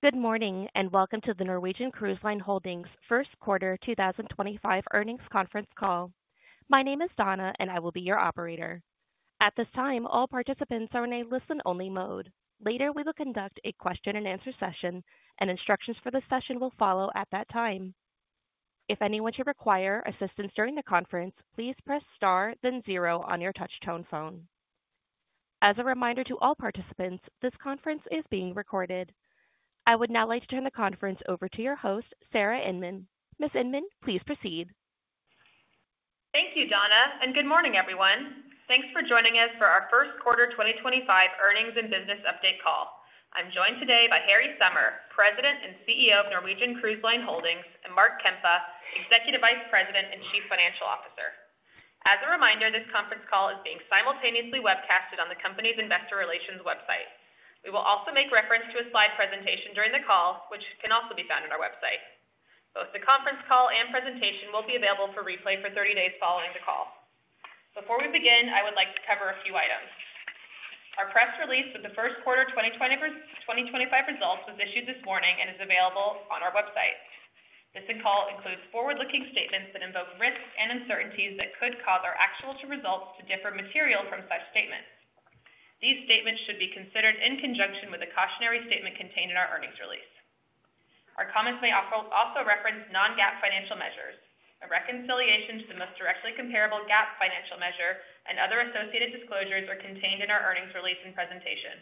Good morning and welcome to the Norwegian Cruise Line Holdings first quarter 2025 earnings conference call. My name is Donna, and I will be your operator. At this time, all participants are in a listen-only mode. Later, we will conduct a question-and-answer session, and instructions for the session will follow at that time. If anyone should require assistance during the conference, please press star, then zero on your touch-tone phone. As a reminder to all participants, this conference is being recorded. I would now like to turn the conference over to your host, Sarah Inmon. Ms. Inmon, please proceed. Thank you, Donna, and good morning, everyone. Thanks for joining us for our first quarter 2025 earnings and business update call. I'm joined today by Harry Sommer, President and CEO of Norwegian Cruise Line Holdings, and Mark Kempa, Executive Vice President and Chief Financial Officer. As a reminder, this conference call is being simultaneously webcasted on the company's Investor Relations website. We will also make reference to a slide presentation during the call, which can also be found on our website. Both the conference call and presentation will be available for replay for 30 days following the call. Before we begin, I would like to cover a few items. Our press release with the first quarter 2025 results was issued this morning and is available on our website. This call includes forward-looking statements that involve risks and uncertainties that could cause our actual results to differ materially from such statements. These statements should be considered in conjunction with the cautionary statement contained in our earnings release. Our comments may also reference non-GAAP financial measures. A reconciliation to the most directly comparable GAAP financial measure and other associated disclosures are contained in our earnings release and presentation.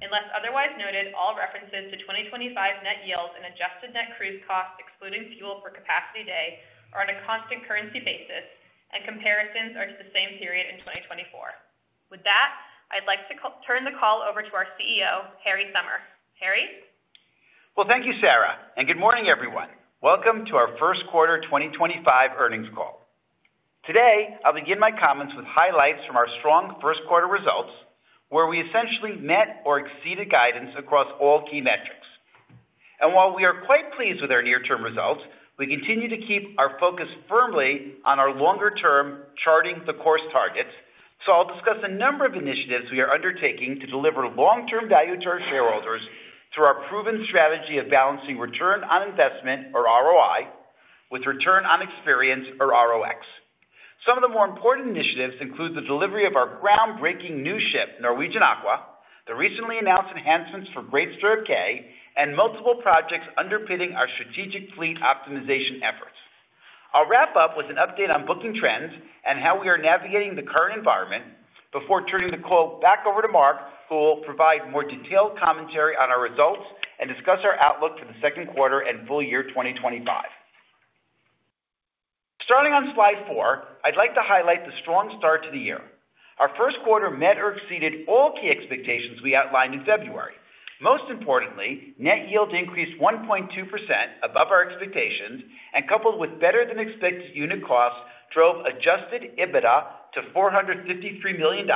Unless otherwise noted, all references to 2025 Net Yields and Adjusted Net Cruise Costs Excluding Fuel per Capacity Day, are on a Constant Currency basis, and comparisons are to the same period in 2024. With that, I'd like to turn the call over to our CEO, Harry Sommer. Harry? Thank you, Sarah, and good morning, everyone. Welcome to our first quarter 2025 earnings call. Today, I'll begin my comments with highlights from our strong first quarter results, where we essentially met or exceeded guidance across all key metrics. While we are quite pleased with our near-term results, we continue to keep our focus firmly on our longer-term Charting the Course targets. I'll discuss a number of initiatives we are undertaking to deliver long-term value to our shareholders through our proven strategy of balancing return on investment, or ROI, with return on experience, or ROX. Some of the more important initiatives include the delivery of our groundbreaking new ship, Norwegian Aqua, the recently announced enhancements for Great Stirrup Cay, and multiple projects underpinning our strategic fleet optimization efforts. I'll wrap up with an update on booking trends and how we are navigating the current environment before turning the call back over to Mark, who will provide more detailed commentary on our results and discuss our outlook for the second quarter and full year 2025. Starting on slide four, I'd like to highlight the strong start to the year. Our first quarter met or exceeded all key expectations we outlined in February. Most importantly, Net Yield increased 1.2% above our expectations, and coupled with better-than-expected unit costs, drove Adjusted EBITDA to $453 million,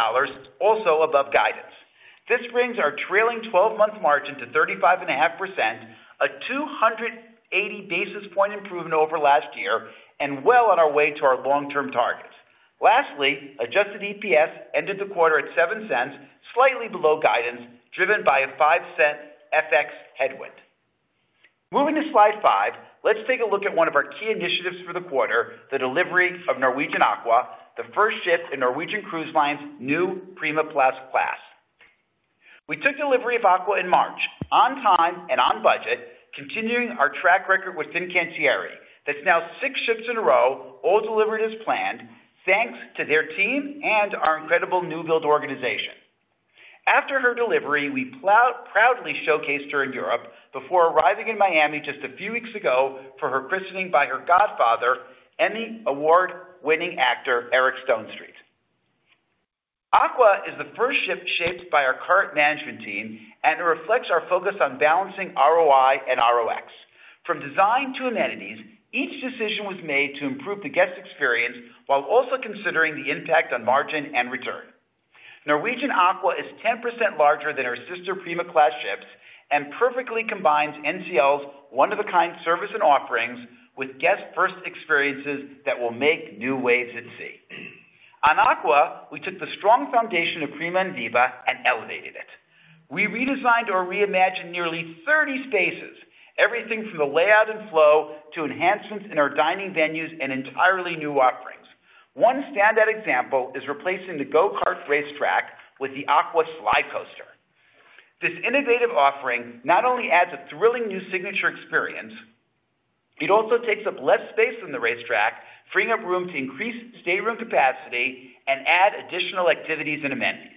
also above guidance. This brings our trailing 12-month margin to 35.5%, a 280-basis point improvement over last year, and well on our way to our long-term targets. Lastly, Adjusted EPS ended the quarter at $0.07, slightly below guidance, driven by a $0.05 FX headwind. Moving to slide five, let's take a look at one of our key initiatives for the quarter, the delivery of Norwegian Aqua, the first ship in Norwegian Cruise Line's new Prima Plus Class. We took delivery of Aqua in March, on time and on budget, continuing our track record with Fincantieri. That's now six ships in a row, all delivered as planned, thanks to their team and our incredible Newbuild organization. After her delivery, we proudly showcased her in Europe before arriving in Miami just a few weeks ago for her christening by her godfather, Emmy Award-winning actor, Eric Stonestreet. Aqua is the first ship shaped by our current management team, and it reflects our focus on balancing ROI and ROX. From design to amenities, each decision was made to improve the guest experience while also considering the impact on margin and return. Norwegian Aqua is 10% larger than her sister Prima-class ships and perfectly combines NCL's one-of-a-kind service and offerings with guest-first experiences that will make new waves at sea. On Aqua, we took the strong foundation of Prima and Viva and elevated it. We redesigned or reimagined nearly 30 spaces, everything from the layout and flow to enhancements in our dining venues and entirely new offerings. One standout example is replacing the go-kart racetrack with the Aqua Slidecoaster. This innovative offering not only adds a thrilling new signature experience, it also takes up less space than the racetrack, freeing up room to increase stateroom capacity and add additional activities and amenities.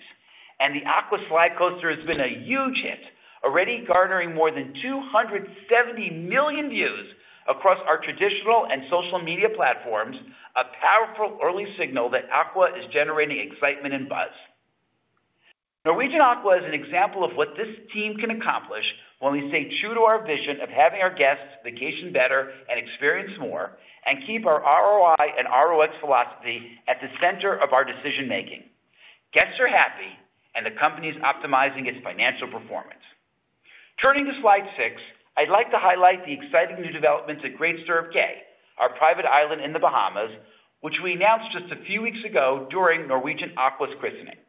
The Aqua Slidecoaster has been a huge hit, already garnering more than 270 million views across our traditional and social media platforms, a powerful early signal that Aqua is generating excitement and buzz. Norwegian Aqua is an example of what this team can accomplish when we stay true to our vision of having our guests vacation better and experience more, and keep our ROI and ROX philosophy at the center of our decision-making. Guests are happy, and the company is optimizing its financial performance. Turning to slide six, I'd like to highlight the exciting new developments at Great Stirrup Cay, our private island in the Bahamas, which we announced just a few weeks ago during Norwegian Aqua's christening.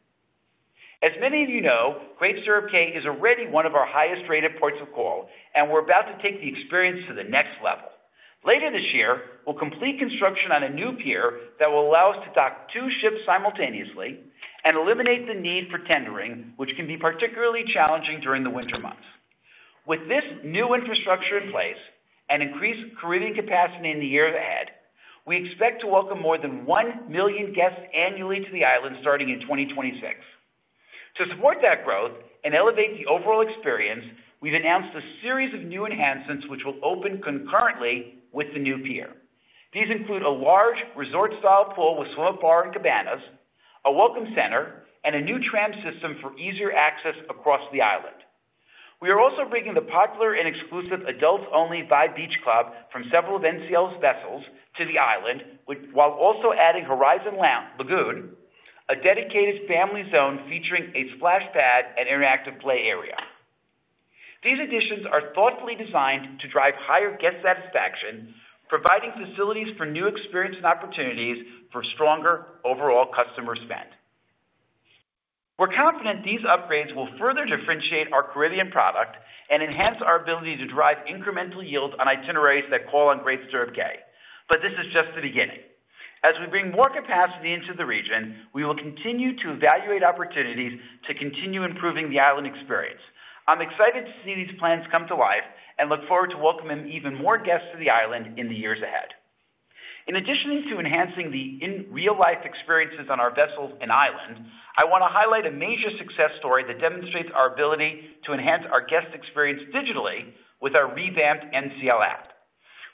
As many of you know, Great Stirrup Cay is already one of our highest-rated ports of call, and we're about to take the experience to the next level. Later this year, we'll complete construction on a new pier that will allow us to dock two ships simultaneously and eliminate the need for tendering, which can be particularly challenging during the winter months. With this new infrastructure in place and increased Caribbean capacity in the year ahead, we expect to welcome more than 1 million guests annually to the island starting in 2026. To support that growth and elevate the overall experience, we've announced a series of new enhancements which will open concurrently with the new pier. These include a large resort-style pool with swim-up bar and cabanas, a welcome center, and a new tram system for easier access across the island. We are also bringing the popular and exclusive adults-only Vibe Beach Club from several of NCL's vessels to the island, while also adding Horizon Lagoon, a dedicated family zone featuring a splash pad and interactive play area. These additions are thoughtfully designed to drive higher guest satisfaction, providing facilities for new experiences and opportunities for stronger overall customer spend. We're confident these upgrades will further differentiate our Caribbean product and enhance our ability to drive incremental yields on itineraries that call on Great Stirrup Cay. This is just the beginning. As we bring more capacity into the region, we will continue to evaluate opportunities to continue improving the island experience. I'm excited to see these plans come to life and look forward to welcoming even more guests to the island in the years ahead. In addition to enhancing the real-life experiences on our vessels and island, I want to highlight a major success story that demonstrates our ability to enhance our guest experience digitally with our revamped NCL app.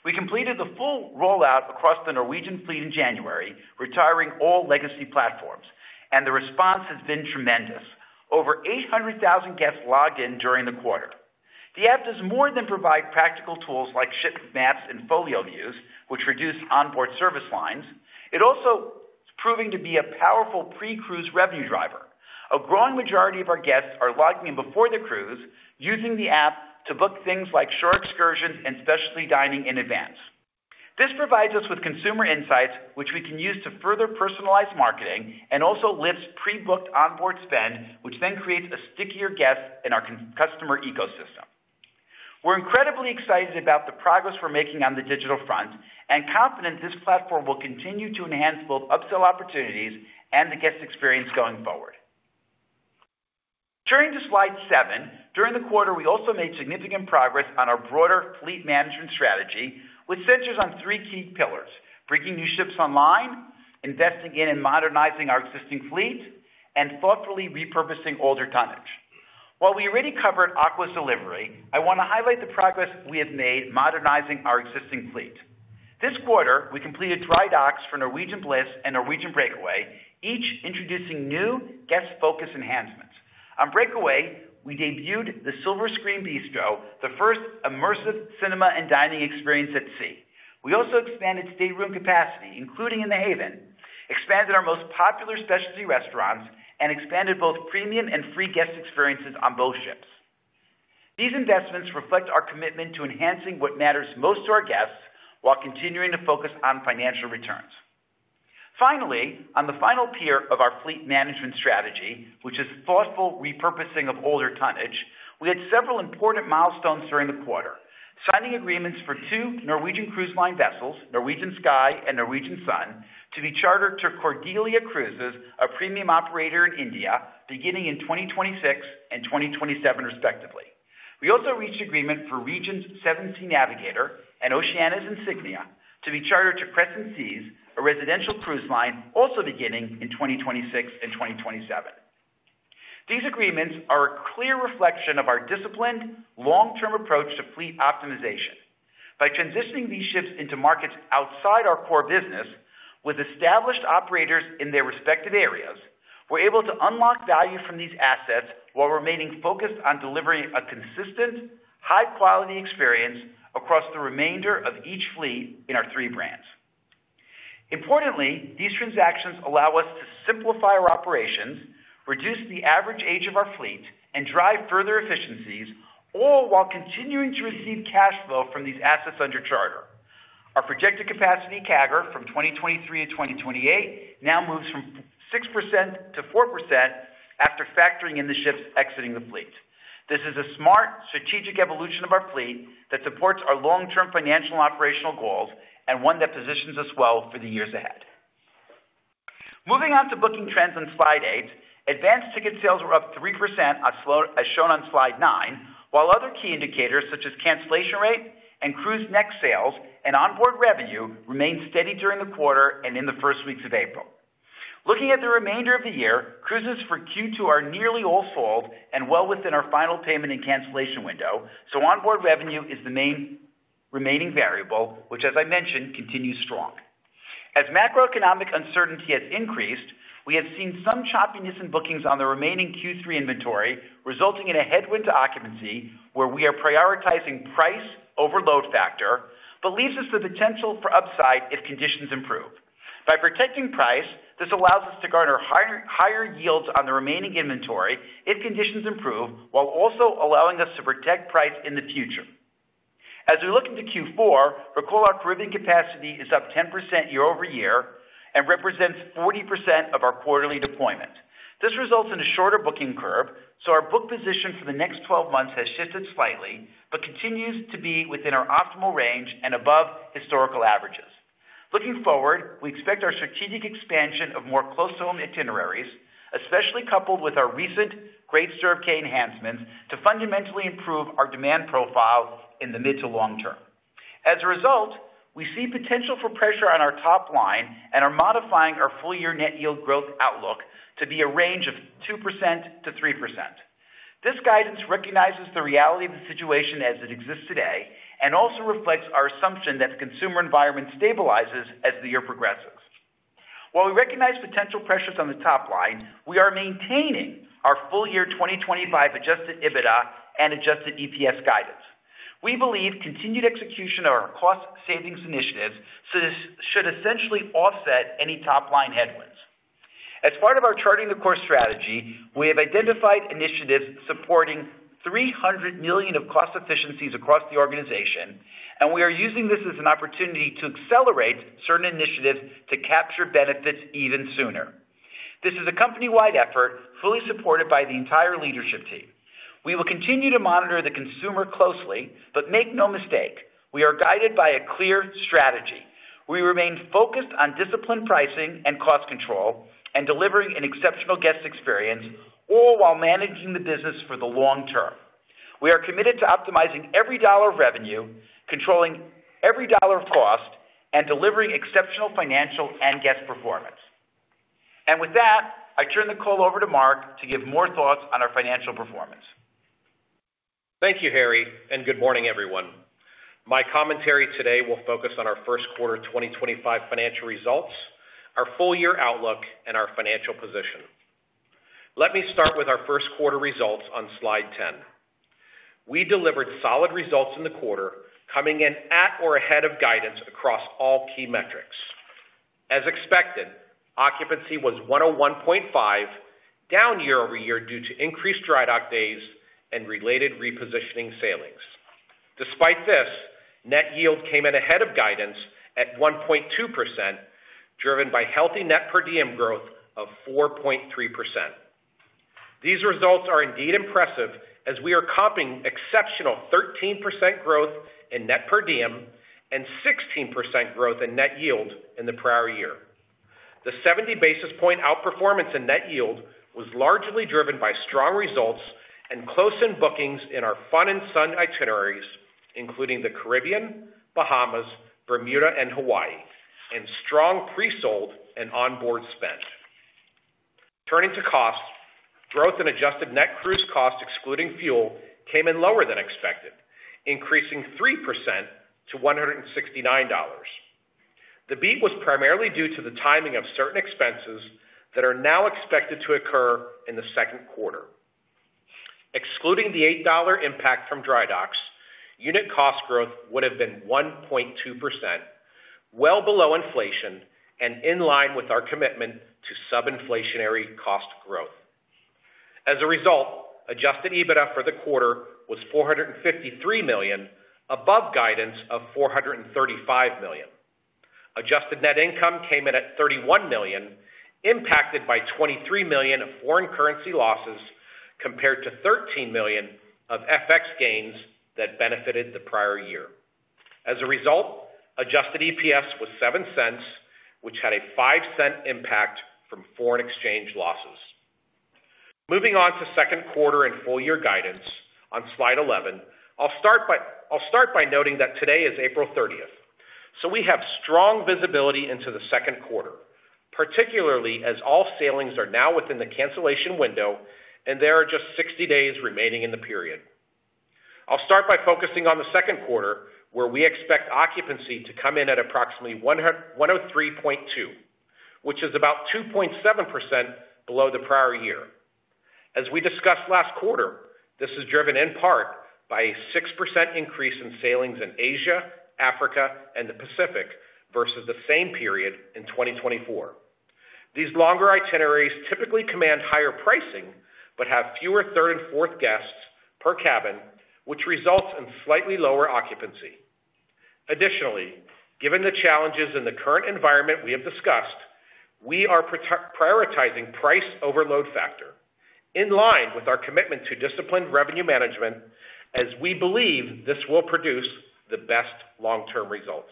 We completed the full rollout across the Norwegian fleet in January, retiring all legacy platforms, and the response has been tremendous. Over 800,000 guests logged in during the quarter. The app does more than provide practical tools like ship maps and folio views, which reduce onboard service lines. It also is proving to be a powerful pre-cruise revenue driver. A growing majority of our guests are logging in before the cruise, using the app to book things like shore excursions and specialty dining in advance. This provides us with consumer insights, which we can use to further personalize marketing and also lift pre-booked onboard spend, which then creates a stickier guest in our customer ecosystem. We're incredibly excited about the progress we're making on the digital front and confident this platform will continue to enhance both upsell opportunities and the guest experience going forward. Turning to slide seven, during the quarter, we also made significant progress on our broader fleet management strategy, which centers on three key pillars: bringing new ships online, investing in and modernizing our existing fleet, and thoughtfully repurposing older tonnage. While we already covered Aqua's delivery, I want to highlight the progress we have made modernizing our existing fleet. This quarter, we completed dry docks for Norwegian Bliss and Norwegian Breakaway, each introducing new guest-focused enhancements. On Breakaway, we debuted the Silver Screen Bistro, the first immersive cinema and dining experience at sea. We also expanded stateroom capacity, including in The Haven, expanded our most popular specialty restaurants, and expanded both premium and free guest experiences on both ships. These investments reflect our commitment to enhancing what matters most to our guests while continuing to focus on financial returns. Finally, on the final pier of our fleet management strategy, which is thoughtful repurposing of older tonnage, we had several important milestones during the quarter: signing agreements for two Norwegian Cruise Line vessels, Norwegian Sky and Norwegian Sun, to be chartered to Cordelia Cruises, a premium operator in India, beginning in 2026 and 2027, respectively. We also reached agreement for Regent's Seven Seas Navigator and Oceania's Insignia to be chartered to Crescent Seas, a residential cruise line, also beginning in 2026 and 2027. These agreements are a clear reflection of our disciplined, long-term approach to fleet optimization. By transitioning these ships into markets outside our core business, with established operators in their respective areas, we're able to unlock value from these assets while remaining focused on delivering a consistent, high-quality experience across the remainder of each fleet in our three brands. Importantly, these transactions allow us to simplify our operations, reduce the average age of our fleet, and drive further efficiencies, all while continuing to receive cash flow from these assets under charter. Our projected capacity CAGR from 2023 to 2028 now moves from 6% to 4% after factoring in the ships exiting the fleet. This is a smart, strategic evolution of our fleet that supports our long-term financial and operational goals and one that positions us well for the years ahead. Moving on to booking trends on slide eight, advance ticket sales were up 3%, as shown on slide nine, while other key indicators such as cancellation rate and CruiseNext sales and onboard revenue remained steady during the quarter and in the first weeks of April. Looking at the remainder of the year, cruises for Q2 are nearly all sold and well within our final payment and cancellation window, so onboard revenue is the main remaining variable, which, as I mentioned, continues strong. As macroeconomic uncertainty has increased, we have seen some choppiness in bookings on the remaining Q3 inventory, resulting in a headwind to occupancy, where we are prioritizing price over load factor, but leaves us the potential for upside if conditions improve. By protecting price, this allows us to garner higher yields on the remaining inventory if conditions improve, while also allowing us to protect price in the future. As we look into Q4, recall our Caribbean capacity is up 10% year-over-year and represents 40% of our quarterly deployment. This results in a shorter booking curve, so our book position for the next 12 months has shifted slightly but continues to be within our optimal range and above historical averages. Looking forward, we expect our strategic expansion of more close-to-home itineraries, especially coupled with our recent Great Stirrup Cay enhancements to fundamentally improve our demand profile in the mid to long term. As a result, we see potential for pressure on our top line and are modifying our full-year Net Yield growth outlook to be a range of 2%-3%. This guidance recognizes the reality of the situation as it exists today and also reflects our assumption that the consumer environment stabilizes as the year progresses. While we recognize potential pressures on the top line, we are maintaining our full-year 2025 Adjusted EBITDA and Adjusted EPS guidance. We believe continued execution of our cost savings initiatives should essentially offset any top-line headwinds. As part of our Charting the Course strategy, we have identified initiatives supporting $300 million of cost efficiencies across the organization, and we are using this as an opportunity to accelerate certain initiatives to capture benefits even sooner. This is a company-wide effort fully supported by the entire leadership team. We will continue to monitor the consumer closely, but make no mistake, we are guided by a clear strategy. We remain focused on disciplined pricing and cost control and delivering an exceptional guest experience, all while managing the business for the long term. We are committed to optimizing every dollar of revenue, controlling every dollar of cost, and delivering exceptional financial and guest performance. With that, I turn the call over to Mark to give more thoughts on our financial performance. Thank you, Harry, and good morning, everyone. My commentary today will focus on our first quarter 2025 financial results, our full-year outlook, and our financial position. Let me start with our first quarter results on slide 10. We delivered solid results in the quarter, coming in at or ahead of guidance across all key metrics. As expected, occupancy was 101.5%, down year-over-year due to increased dry dock days and related repositioning sailings. Despite this, Net Yield came in ahead of guidance at 1.2%, driven by healthy Net Per Diem growth of 4.3%. These results are indeed impressive as we are copying exceptional 13% growth in Net Per Diem and 16% growth in Net Yield in the prior year. The 70 basis point outperformance in Net Yield was largely driven by strong results and close-in bookings in our fun and sun itineraries, including the Caribbean, Bahamas, Bermuda, and Hawaii, and strong pre-sold and onboard spend. Turning to cost, growth in Adjusted Net Cruise Cost, excluding fuel, came in lower than expected, increasing 3% to $169. The beat was primarily due to the timing of certain expenses that are now expected to occur in the second quarter. Excluding the $8 impact from dry docks, unit cost growth would have been 1.2%, well below inflation and in line with our commitment to sub-inflationary cost growth. As a result, Adjusted EBITDA for the quarter was $453 million, above guidance of $435 million. Adjusted Net Income came in at $31 million, impacted by $23 million of foreign currency losses compared to $13 million of FX gains that benefited the prior year. As a result, Adjusted EPS was $0.07, which had a $0.05 impact from foreign exchange losses. Moving on to second quarter and full-year guidance on slide 11, I'll start by noting that today is April 30th, 2025 so we have strong visibility into the second quarter, particularly as all sailings are now within the cancellation window and there are just 60 days remaining in the period. I'll start by focusing on the second quarter, where we expect occupancy to come in at approximately 103.2%, which is about 2.7% below the prior year. As we discussed last quarter, this is driven in part by a 6% increase in sailings in Asia, Africa, and the Pacific versus the same period in 2024. These longer itineraries typically command higher pricing but have fewer third and fourth guests per cabin, which results in slightly lower occupancy. Additionally, given the challenges in the current environment we have discussed, we are prioritizing price over load factor, in line with our commitment to disciplined revenue management, as we believe this will produce the best long-term results.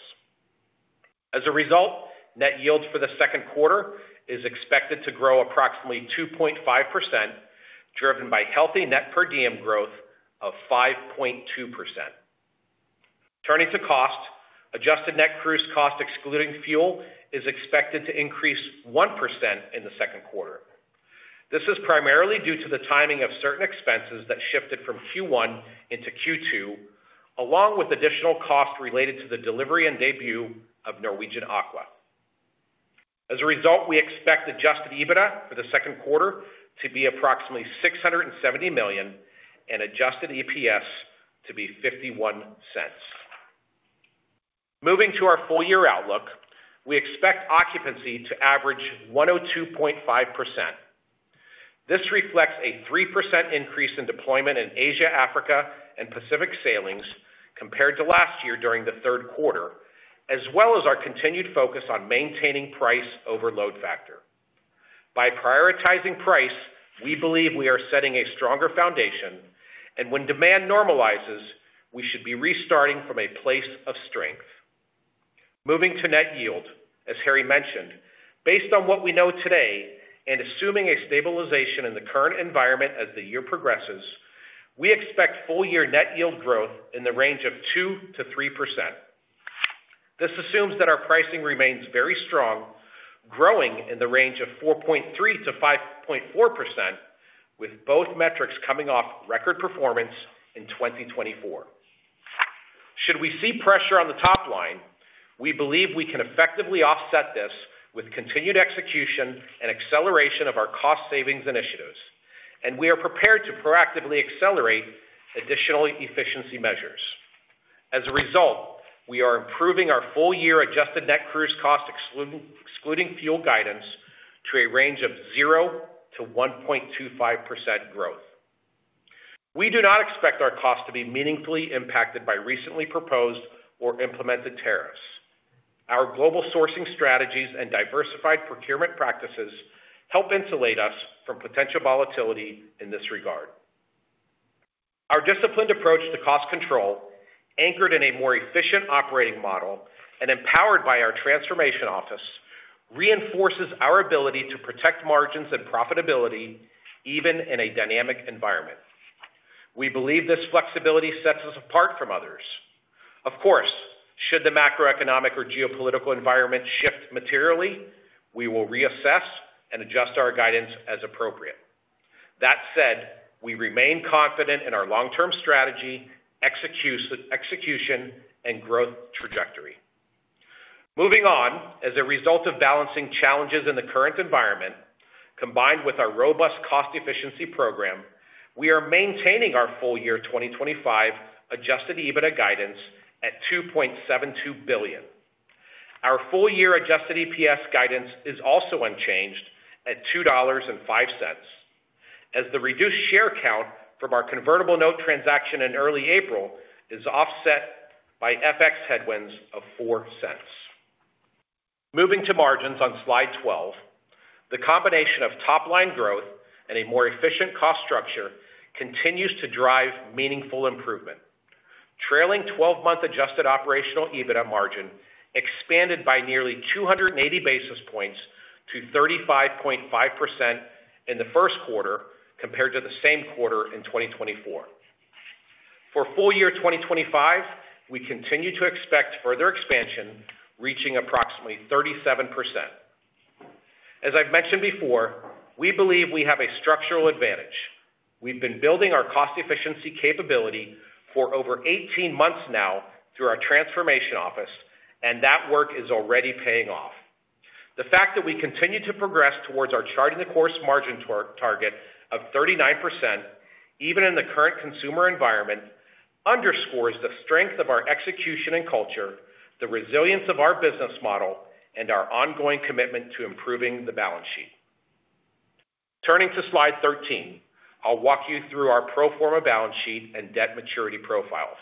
As a result, Net Yield for the second quarter is expected to grow approximately 2.5%, driven by healthy Net Per Diem growth of 5.2%. Turning to cost, Adjusted Net Cruise Cost, excluding fuel, is expected to increase 1% in the second quarter. This is primarily due to the timing of certain expenses that shifted from Q1 into Q2, along with additional costs related to the delivery and debut of Norwegian Aqua. As a result, we expect Adjusted EBITDA for the second quarter to be approximately $670 million and Adjusted EPS to be $0.51. Moving to our full-year outlook, we expect occupancy to average 102.5%. This reflects a 3% increase in deployment in Asia, Africa, and Pacific sailings compared to last year during the third quarter, as well as our continued focus on maintaining price over load factor. By prioritizing price, we believe we are setting a stronger foundation, and when demand normalizes, we should be restarting from a place of strength. Moving to Net Yield, as Harry mentioned, based on what we know today and assuming a stabilization in the current environment as the year progresses, we expect full-year Net Yield growth in the range of 2%-3%. This assumes that our pricing remains very strong, growing in the range of 4.3%-5.4%, with both metrics coming off record performance in 2024. Should we see pressure on the top line, we believe we can effectively offset this with continued execution and acceleration of our cost savings initiatives, and we are prepared to proactively accelerate additional efficiency measures. As a result, we are improving our full-year Adjusted Net Cruise Cost, excluding fuel guidance, to a range of 0%-1.25% growth. We do not expect our cost to be meaningfully impacted by recently proposed or implemented tariffs. Our global sourcing strategies and diversified procurement practices help insulate us from potential volatility in this regard. Our disciplined approach to cost control, anchored in a more efficient operating model and empowered by our Transformation Office, reinforces our ability to protect margins and profitability even in a dynamic environment. We believe this flexibility sets us apart from others. Of course, should the macroeconomic or geopolitical environment shift materially, we will reassess and adjust our guidance as appropriate. That said, we remain confident in our long-term strategy, execution, and growth trajectory. Moving on, as a result of balancing challenges in the current environment, combined with our robust cost efficiency program, we are maintaining our full-year 2025 Adjusted EBITDA guidance at $2.72 billion. Our full-year Adjusted EPS guidance is also unchanged at $2.05, as the reduced share count from our convertible note transaction in early April is offset by FX headwinds of $0.04. Moving to margins on slide 12, the combination of top-line growth and a more efficient cost structure continues to drive meaningful improvement, trailing 12-month Adjusted Operational EBITDA Margin expanded by nearly 280 basis points to 35.5% in the first quarter compared to the same quarter in 2024. For full-year 2025, we continue to expect further expansion, reaching approximately 37%. As I've mentioned before, we believe we have a structural advantage. We've been building our cost efficiency capability for over 18 months now through our Transformation Office, and that work is already paying off. The fact that we continue to progress towards our Charting the Course margin target of 39%, even in the current consumer environment, underscores the strength of our execution and culture, the resilience of our business model, and our ongoing commitment to improving the balance sheet. Turning to slide 13, I'll walk you through our pro forma balance sheet and debt maturity profiles.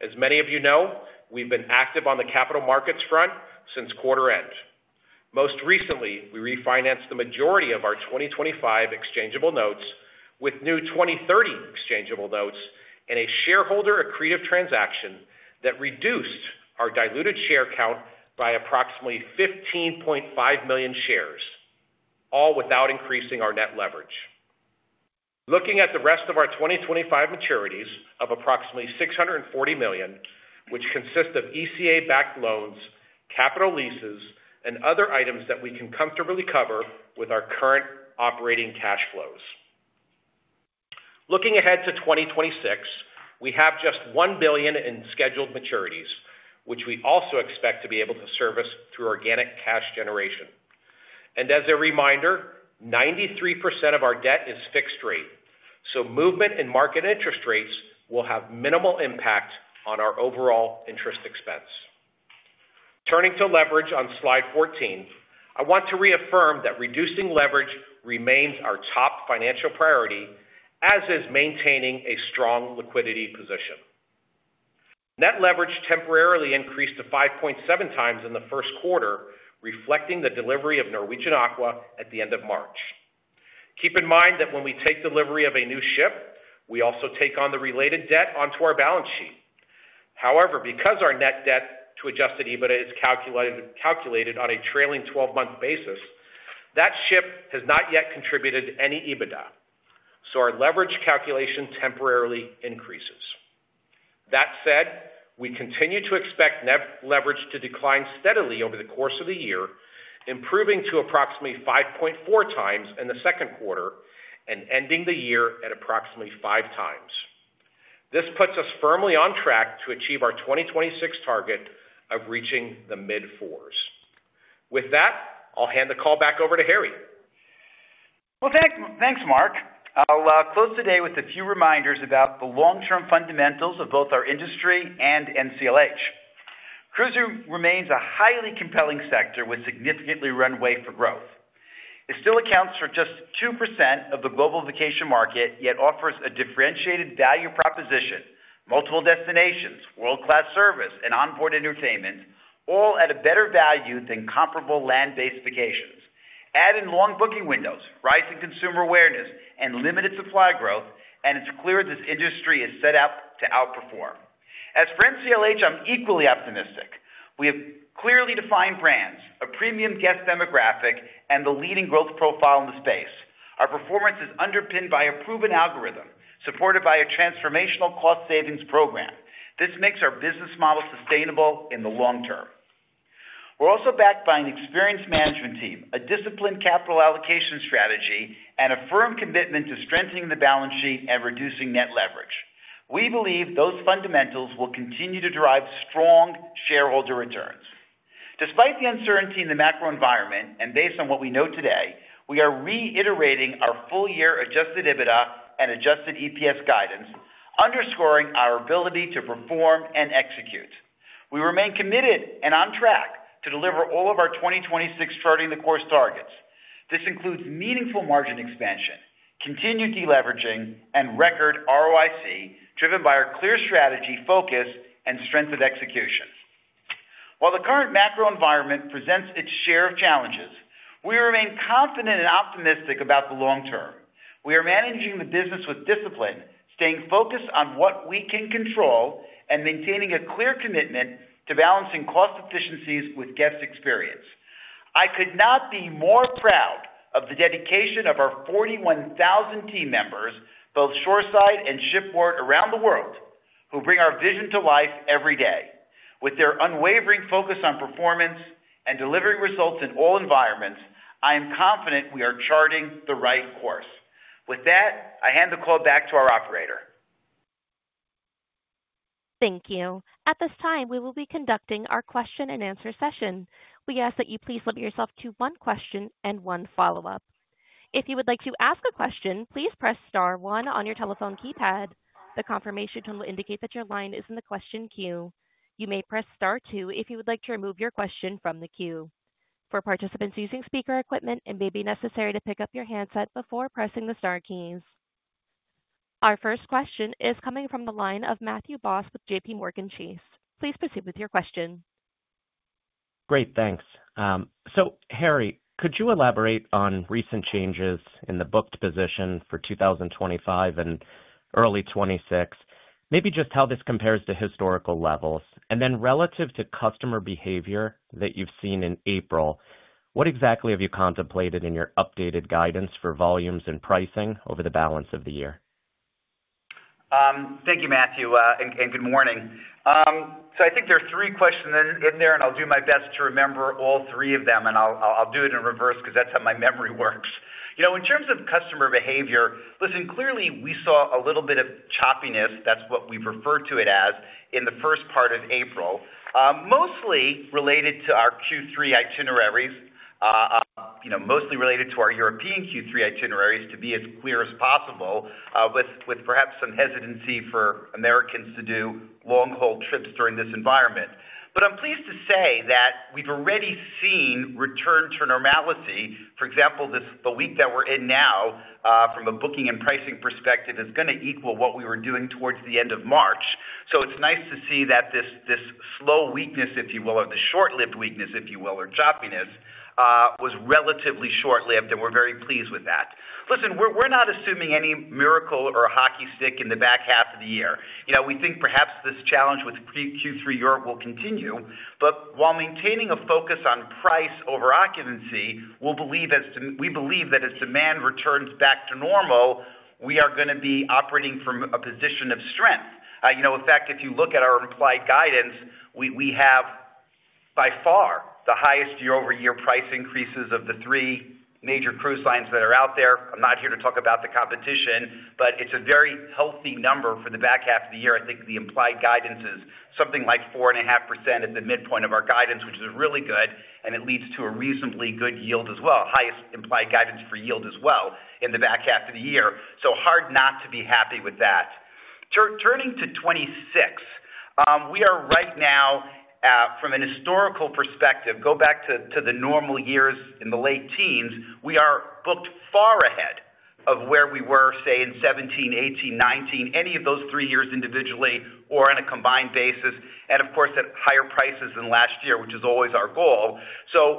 As many of you know, we've been active on the capital markets front since quarter end. Most recently, we refinanced the majority of our 2025 exchangeable notes with new 2030 exchangeable notes and a shareholder-accretive transaction that reduced our diluted share count by approximately 15.5 million shares, all without increasing our net leverage. Looking at the rest of our 2025 maturities of approximately $640 million, which consist of ECA-backed loans, capital leases, and other items that we can comfortably cover with our current operating cash flows. Looking ahead to 2026, we have just $1 billion in scheduled maturities, which we also expect to be able to service through organic cash generation. As a reminder, 93% of our debt is fixed rate, so movement in market interest rates will have minimal impact on our overall interest expense. Turning to leverage on slide 14, I want to reaffirm that reducing leverage remains our top financial priority, as is maintaining a strong liquidity position. Net leverage temporarily increased to 5.7 times in the first quarter, reflecting the delivery of Norwegian Aqua at the end of March. Keep in mind that when we take delivery of a new ship, we also take on the related debt onto our balance sheet. However, because our net debt to Adjusted EBITDA is calculated on a trailing 12-month basis, that ship has not yet contributed any EBITDA, so our leverage calculation temporarily increases. That said, we continue to expect net leverage to decline steadily over the course of the year, improving to approximately 5.4 times in the second quarter and ending the year at approximately 5 times. This puts us firmly on track to achieve our 2026 target of reaching the mid-fours. With that, I'll hand the call back over to Harry. Thanks, Mark. I'll close today with a few reminders about the long-term fundamentals of both our industry and NCLH. Cruising remains a highly compelling sector with significant runway for growth. It still accounts for just 2% of the global vacation market, yet offers a differentiated value proposition: multiple destinations, world-class service, and onboard entertainment, all at a better value than comparable land-based vacations. Add in long booking windows, rising consumer awareness, and limited supply growth, and it's clear this industry is set up to outperform. As for NCLH, I'm equally optimistic. We have clearly defined brands, a premium guest demographic, and the leading growth profile in the space. Our performance is underpinned by a proven algorithm supported by a transformational cost savings program. This makes our business model sustainable in the long term. We're also backed by an experienced management team, a disciplined capital allocation strategy, and a firm commitment to strengthening the balance sheet and reducing net leverage. We believe those fundamentals will continue to drive strong shareholder returns. Despite the uncertainty in the macro environment and based on what we know today, we are reiterating our full-year Adjusted EBITDA and Adjusted EPS guidance, underscoring our ability to perform and execute. We remain committed and on track to deliver all of our 2026 Charting the Course targets. This includes meaningful margin expansion, continued deleveraging, and record ROIC, driven by our clear strategy, focus, and strength of execution. While the current macro environment presents its share of challenges, we remain confident and optimistic about the long term. We are managing the business with discipline, staying focused on what we can control, and maintaining a clear commitment to balancing cost efficiencies with guest experience. I could not be more proud of the dedication of our 41,000 team members, both shoreside and shipboard around the world, who bring our vision to life every day. With their unwavering focus on performance and delivering results in all environments, I am confident we are charting the right course. With that, I hand the call back to our operator. Thank you. At this time, we will be conducting our question and answer session. We ask that you please limit yourself to one question and one follow-up. If you would like to ask a question, please press Star one on your telephone keypad. The confirmation will indicate that your line is in the question queue. You may press Star two if you would like to remove your question from the queue. For participants using speaker equipment, it may be necessary to pick up your handset before pressing the Star keys. Our first question is coming from the line of Matthew Boss with JPMorgan Chase. Please proceed with your question. Great, thanks. Harry, could you elaborate on recent changes in the booked position for 2025 and early 2026, maybe just how this compares to historical levels, and then relative to customer behavior that you've seen in April? What exactly have you contemplated in your updated guidance for volumes and pricing over the balance of the year? Thank you, Matthew, and good morning. I think there are three questions in there, and I'll do my best to remember all three of them, and I'll do it in reverse because that's how my memory works. In terms of customer behavior, listen, clearly we saw a little bit of choppiness, that's what we've referred to it as, in the first part of April, mostly related to our Q3 itineraries, mostly related to our European Q3 itineraries to be as clear as possible, with perhaps some hesitancy for Americans to do long-haul trips during this environment. I'm pleased to say that we've already seen return to normality. For example, the week that we're in now, from a booking and pricing perspective, is going to equal what we were doing towards the end of March. It's nice to see that this slow weakness, if you will, or the short-lived weakness, if you will, or choppiness, was relatively short-lived, and we're very pleased with that. Listen, we're not assuming any miracle or hockey stick in the back half of the year. We think perhaps this challenge with Q3 Europe will continue, but while maintaining a focus on price over occupancy, we believe that as demand returns back to normal, we are going to be operating from a position of strength. In fact, if you look at our implied guidance, we have by far the highest year-over-year price increases of the three major cruise lines that are out there. I'm not here to talk about the competition, but it's a very healthy number for the back half of the year. I think the implied guidance is something like 4.5% at the midpoint of our guidance, which is really good, and it leads to a reasonably good yield as well, highest implied guidance for yield as well in the back half of the year. Hard not to be happy with that. Turning to 2026, we are right now, from a historical perspective, go back to the normal years in the late teens, we are booked far ahead of where we were, say, in 2017, 2018, 2019, any of those three years individually or on a combined basis, and of course at higher prices than last year, which is always our goal.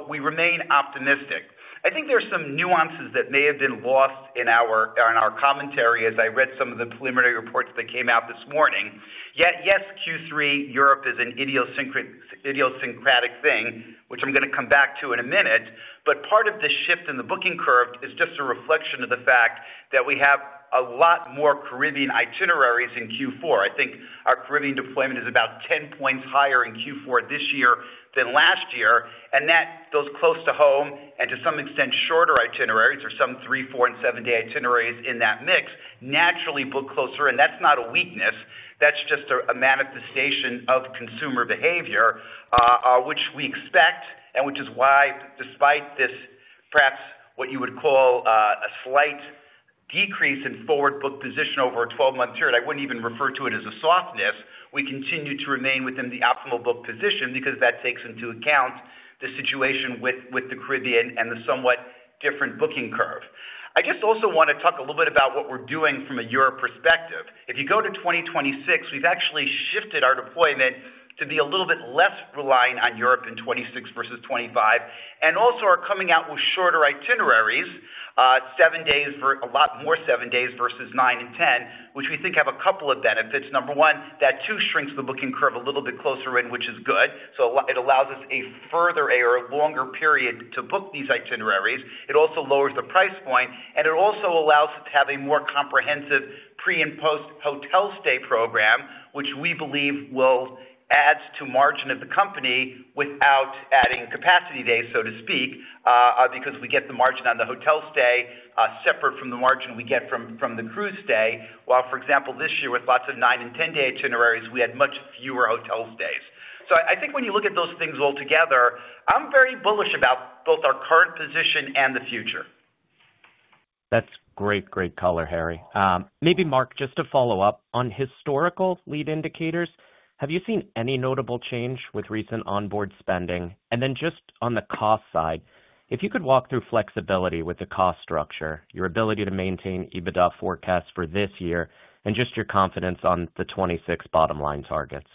We remain optimistic. I think there are some nuances that may have been lost in our commentary as I read some of the preliminary reports that came out this morning. Yes, Q3 Europe is an idiosyncratic thing, which I'm going to come back to in a minute, but part of the shift in the booking curve is just a reflection of the fact that we have a lot more Caribbean itineraries in Q4. I think our Caribbean deployment is about 10 percentage points higher in Q4 this year than last year, and that those close to home and to some extent shorter itineraries, or some three, four, and seven-day itineraries in that mix, naturally book closer, and that's not a weakness. That's just a manifestation of consumer behavior, which we expect, and which is why, despite this perhaps what you would call a slight decrease in forward book position over a 12-month period, I wouldn't even refer to it as a softness, we continue to remain within the optimal book position because that takes into account the situation with the Caribbean and the somewhat different booking curve. I just also want to talk a little bit about what we're doing from a Europe perspective. If you go to 2026, we've actually shifted our deployment to be a little bit less relying on Europe in 2026 versus 2025, and also are coming out with shorter itineraries, seven days, a lot more seven days versus nine and ten, which we think have a couple of benefits. Number one, that too shrinks the booking curve a little bit closer in, which is good. It allows us a further or longer period to book these itineraries. It also lowers the price point, and it also allows us to have a more comprehensive pre- and post-hotel stay program, which we believe will add to margin of the company without adding capacity days, so to speak, because we get the margin on the hotel stay separate from the margin we get from the cruise stay, while, for example, this year with lots of nine and ten-day itineraries, we had much fewer hotel stays. I think when you look at those things altogether, I'm very bullish about both our current position and the future. That's great, great color, Harry. Maybe, Mark, just to follow up on historical lead indicators, have you seen any notable change with recent onboard spending? Just on the cost side, if you could walk through flexibility with the cost structure, your ability to maintain EBITDA forecast for this year, and your confidence on the 2026 bottom line targets.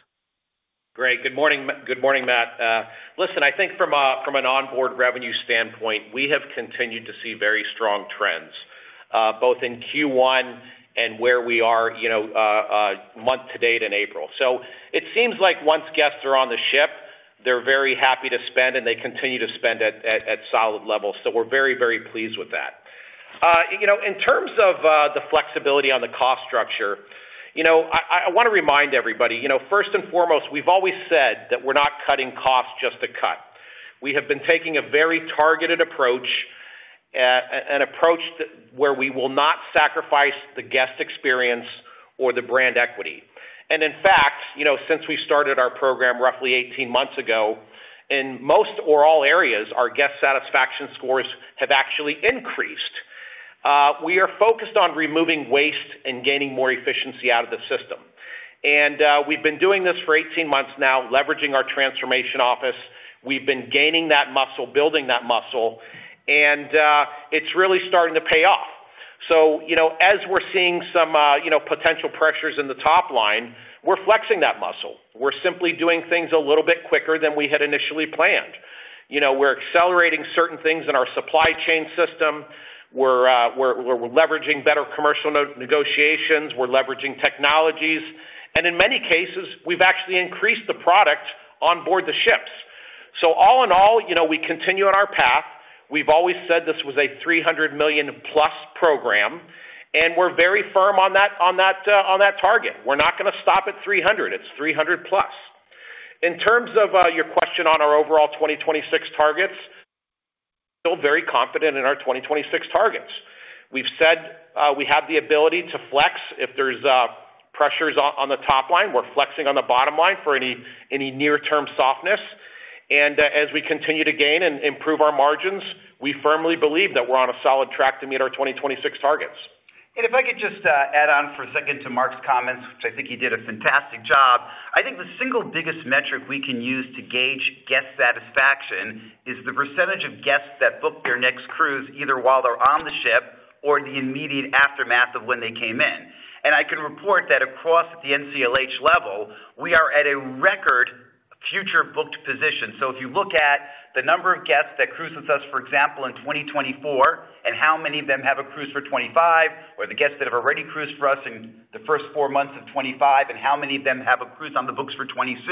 Great. Good morning, Matt. Listen, I think from an onboard revenue standpoint, we have continued to see very strong trends, both in Q1 and where we are month to date in April. It seems like once guests are on the ship, they're very happy to spend, and they continue to spend at solid levels. We are very, very pleased with that. In terms of the flexibility on the cost structure, I want to remind everybody, first and foremost, we've always said that we're not cutting costs just to cut. We have been taking a very targeted approach, an approach where we will not sacrifice the guest experience or the brand equity. In fact, since we started our program roughly 18 months ago, in most or all areas, our guest satisfaction scores have actually increased. We are focused on removing waste and gaining more efficiency out of the system. We have been doing this for 18 months now, leveraging our Transformation Office. We have been gaining that muscle, building that muscle, and it is really starting to pay off. As we are seeing some potential pressures in the top line, we are flexing that muscle. We are simply doing things a little bit quicker than we had initially planned. We are accelerating certain things in our supply chain system. We are leveraging better commercial negotiations. We are leveraging technologies. In many cases, we have actually increased the product onboard the ships. All in all, we continue on our path. We have always said this was a $300 million-plus program, and we are very firm on that target. We're not going to stop at $300 million. It's 300-plus. In terms of your question on our overall 2026 targets, we're still very confident in our 2026 targets. We've said we have the ability to flex if there's pressures on the top line. We're flexing on the bottom line for any near-term softness. As we continue to gain and improve our margins, we firmly believe that we're on a solid track to meet our 2026 targets. If I could just add on for a second to Mark's comments, which I think he did a fantastic job, I think the single biggest metric we can use to gauge guest satisfaction is the percentage of guests that booked their next cruise either while they're on the ship or the immediate aftermath of when they came in. I can report that across at the NCLH level, we are at a record future booked position. If you look at the number of guests that cruise with us, for example, in 2024, and how many of them have a cruise for 2025, or the guests that have already cruised for us in the first four months of 2025, and how many of them have a cruise on the books for 2026,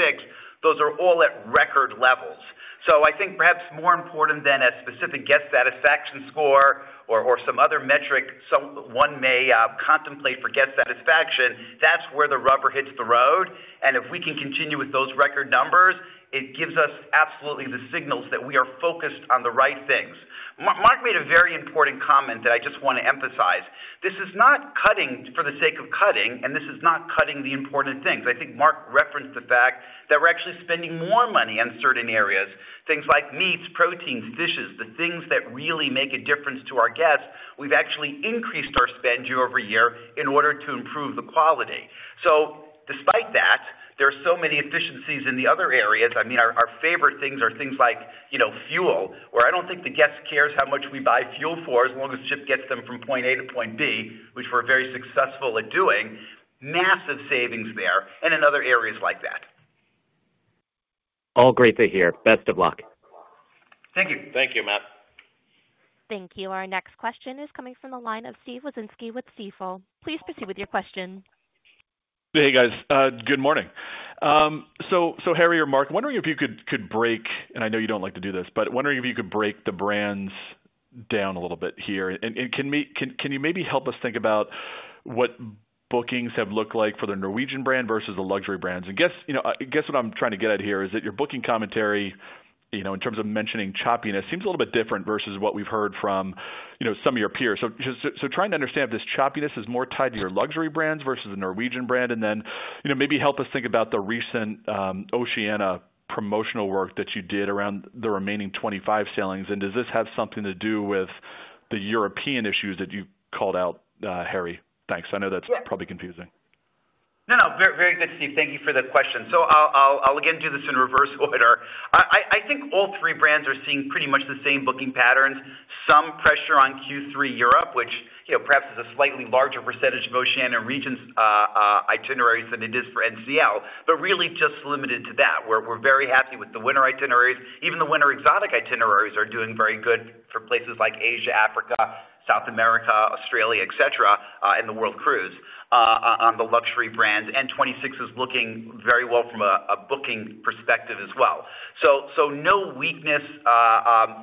those are all at record levels. I think perhaps more important than a specific guest satisfaction score or some other metric one may contemplate for guest satisfaction, that's where the rubber hits the road. If we can continue with those record numbers, it gives us absolutely the signals that we are focused on the right things. Mark made a very important comment that I just want to emphasize. This is not cutting for the sake of cutting, and this is not cutting the important things. I think Mark referenced the fact that we're actually spending more money on certain areas, things like meats, proteins, dishes, the things that really make a difference to our guests. We've actually increased our spend year-over-year in order to improve the quality. Despite that, there are so many efficiencies in the other areas. I mean, our favorite things are things like fuel, where I don't think the guest cares how much we buy fuel for as long as the ship gets them from point A to point B, which we're very successful at doing, massive savings there, and in other areas like that. All great to hear. Best of luck. Thank you. Thank you, Matt. Thank you. Our next question is coming from the line of Steve Wieczynski with Stifel. Please proceed with your question. Hey, guys. Good morning. Harry or Mark, I'm wondering if you could break, and I know you don't like to do this, but I'm wondering if you could break the brands down a little bit here. Can you maybe help us think about what bookings have looked like for the Norwegian brand versus the luxury brands? What I'm trying to get at here is that your booking commentary, in terms of mentioning choppiness, seems a little bit different versus what we've heard from some of your peers. Trying to understand if this choppiness is more tied to your luxury brands versus the Norwegian brand, and then maybe help us think about the recent Oceania promotional work that you did around the remaining 25 sailings. Does this have something to do with the European issues that you called out, Harry? Thanks. I know that's probably confusing. No, no. Very good, Steve. Thank you for the question. I'll again do this in reverse order. I think all three brands are seeing pretty much the same booking patterns, some pressure on Q3 Europe, which perhaps is a slightly larger percentage of Oceania region's itineraries than it is for NCL, but really just limited to that, where we're very happy with the winter itineraries. Even the winter exotic itineraries are doing very good for places like Asia, Africa, South America, Australia, etc., and the world cruise on the luxury brands. Twenty twenty-six is looking very well from a booking perspective as well. No weakness,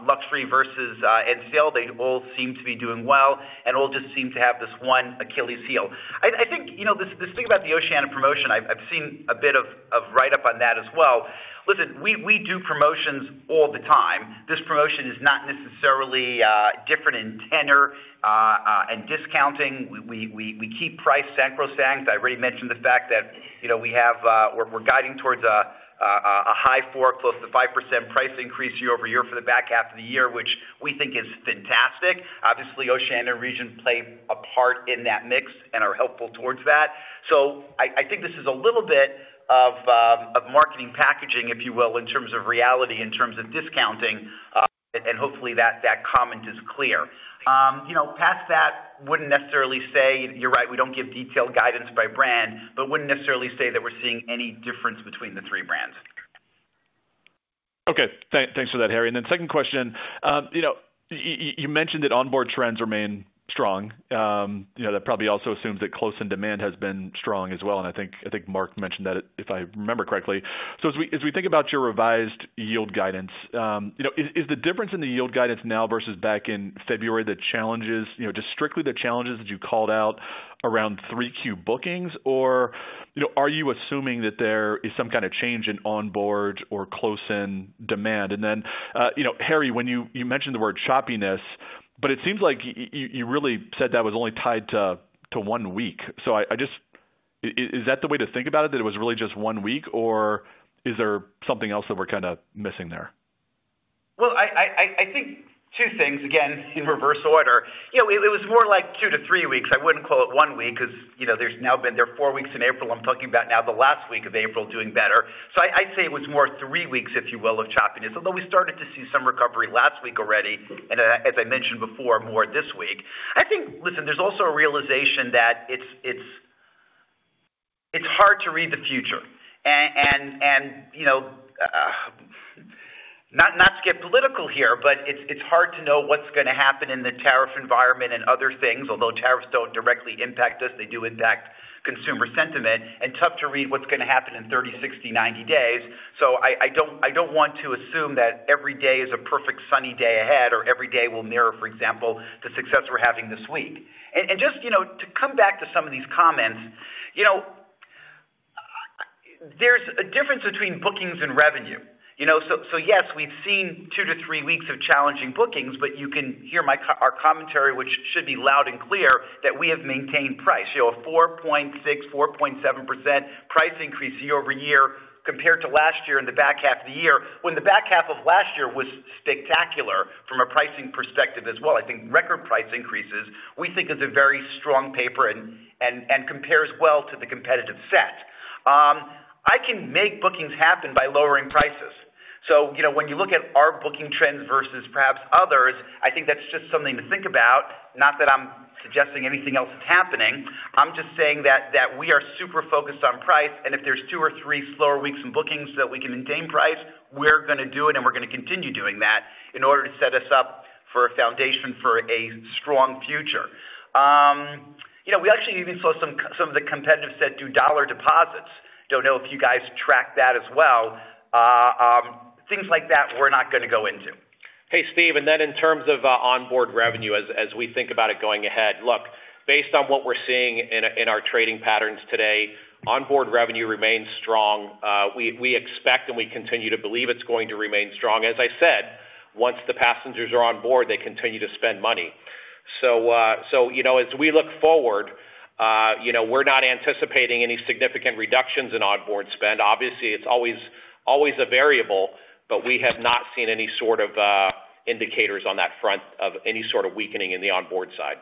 luxury versus NCL, they all seem to be doing well, and all just seem to have this one Achilles heel. I think this thing about the Oceania promotion, I've seen a bit of write-up on that as well. Listen, we do promotions all the time. This promotion is not necessarily different in tenor and discounting. We keep price sacrosanct. I already mentioned the fact that we're guiding towards a high four, close to 5% price increase year-over-year for the back half of the year, which we think is fantastic. Obviously, Oceania region played a part in that mix and are helpful towards that. I think this is a little bit of marketing packaging, if you will, in terms of reality, in terms of discounting, and hopefully that comment is clear. Past that, wouldn't necessarily say you're right, we don't give detailed guidance by brand, but wouldn't necessarily say that we're seeing any difference between the three brands. Okay. Thanks for that, Harry. Then second question, you mentioned that onboard trends remain strong. That probably also assumes that close-in demand has been strong as well, and I think Mark mentioned that if I remember correctly. As we think about your revised yield guidance, is the difference in the yield guidance now versus back in February the challenges, just strictly the challenges that you called out around Q3 bookings, or are you assuming that there is some kind of change in onboard or close-in demand? Harry, when you mentioned the word choppiness, it seems like you really said that was only tied to one week. Is that the way to think about it, that it was really just one week, or is there something else that we're kind of missing there? I think two things, again, in reverse order. It was more like two to three weeks. I wouldn't call it one week because there's now been there are four weeks in April I'm talking about now, the last week of April doing better. So I'd say it was more three weeks, if you will, of choppiness, although we started to see some recovery last week already, and as I mentioned before, more this week. I think, listen, there's also a realization that it's hard to read the future. And not to get political here, but it's hard to know what's going to happen in the tariff environment and other things, although tariffs don't directly impact us. They do impact consumer sentiment, and tough to read what's going to happen in 30, 60, 90 days. So I don't want to assume that every day is a perfect sunny day ahead or every day will mirror, for example, the success we're having this week. Just to come back to some of these comments, there's a difference between bookings and revenue. Yes, we've seen two to three weeks of challenging bookings, but you can hear our commentary, which should be loud and clear, that we have maintained price, a 4.6%-4.7% price increase year-over-year compared to last year in the back half of the year, when the back half of last year was spectacular from a pricing perspective as well. I think record price increases, we think, is a very strong paper and compares well to the competitive set. I can make bookings happen by lowering prices. When you look at our booking trends versus perhaps others, I think that's just something to think about. Not that I'm suggesting anything else is happening. I'm just saying that we are super focused on price, and if there's two or three slower weeks in bookings that we can maintain price, we're going to do it, and we're going to continue doing that in order to set us up for a foundation for a strong future. We actually even saw some of the competitive set do dollar deposits. Don't know if you guys track that as well. Things like that we're not going to go into. Hey, Steve, and then in terms of onboard revenue, as we think about it going ahead, look, based on what we're seeing in our trading patterns today, onboard revenue remains strong. We expect and we continue to believe it's going to remain strong. As I said, once the passengers are on board, they continue to spend money. As we look forward, we're not anticipating any significant reductions in onboard spend. Obviously, it's always a variable, but we have not seen any sort of indicators on that front of any sort of weakening in the onboard side.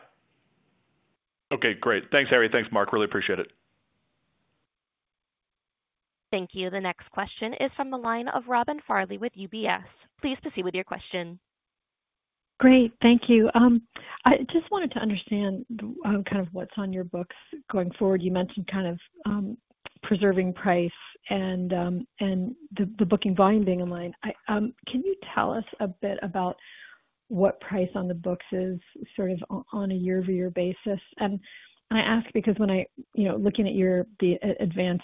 Okay. Great. Thanks, Harry. Thanks, Mark. Really appreciate it. Thank you. The next question is from the line of Robin Farley with UBS. Pleased to see you with your question. Great. Thank you. I just wanted to understand kind of what's on your books going forward. You mentioned kind of preserving price and the booking volume being in line. Can you tell us a bit about what price on the books is sort of on a year-over-year basis? I ask because when I'm looking at the advance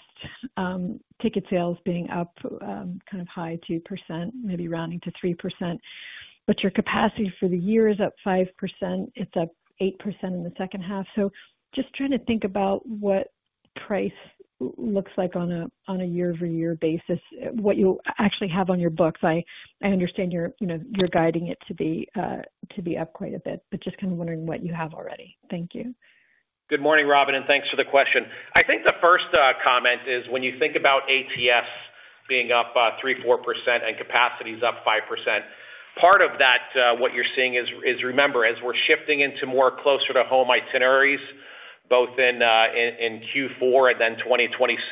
ticket sales being up kind of high 2%, maybe rounding to 3%, but your capacity for the year is up 5%. It's up 8% in the second half. Just trying to think about what price looks like on a year-over-year basis, what you actually have on your books. I understand you're guiding it to be up quite a bit, but just kind of wondering what you have already. Thank you. Good morning, Robin, and thanks for the question. I think the first comment is when you think about ATS being up 3%-4% and capacity is up 5%, part of that, what you're seeing is, remember, as we're shifting into more closer to home itineraries, both in Q4 and then 2026,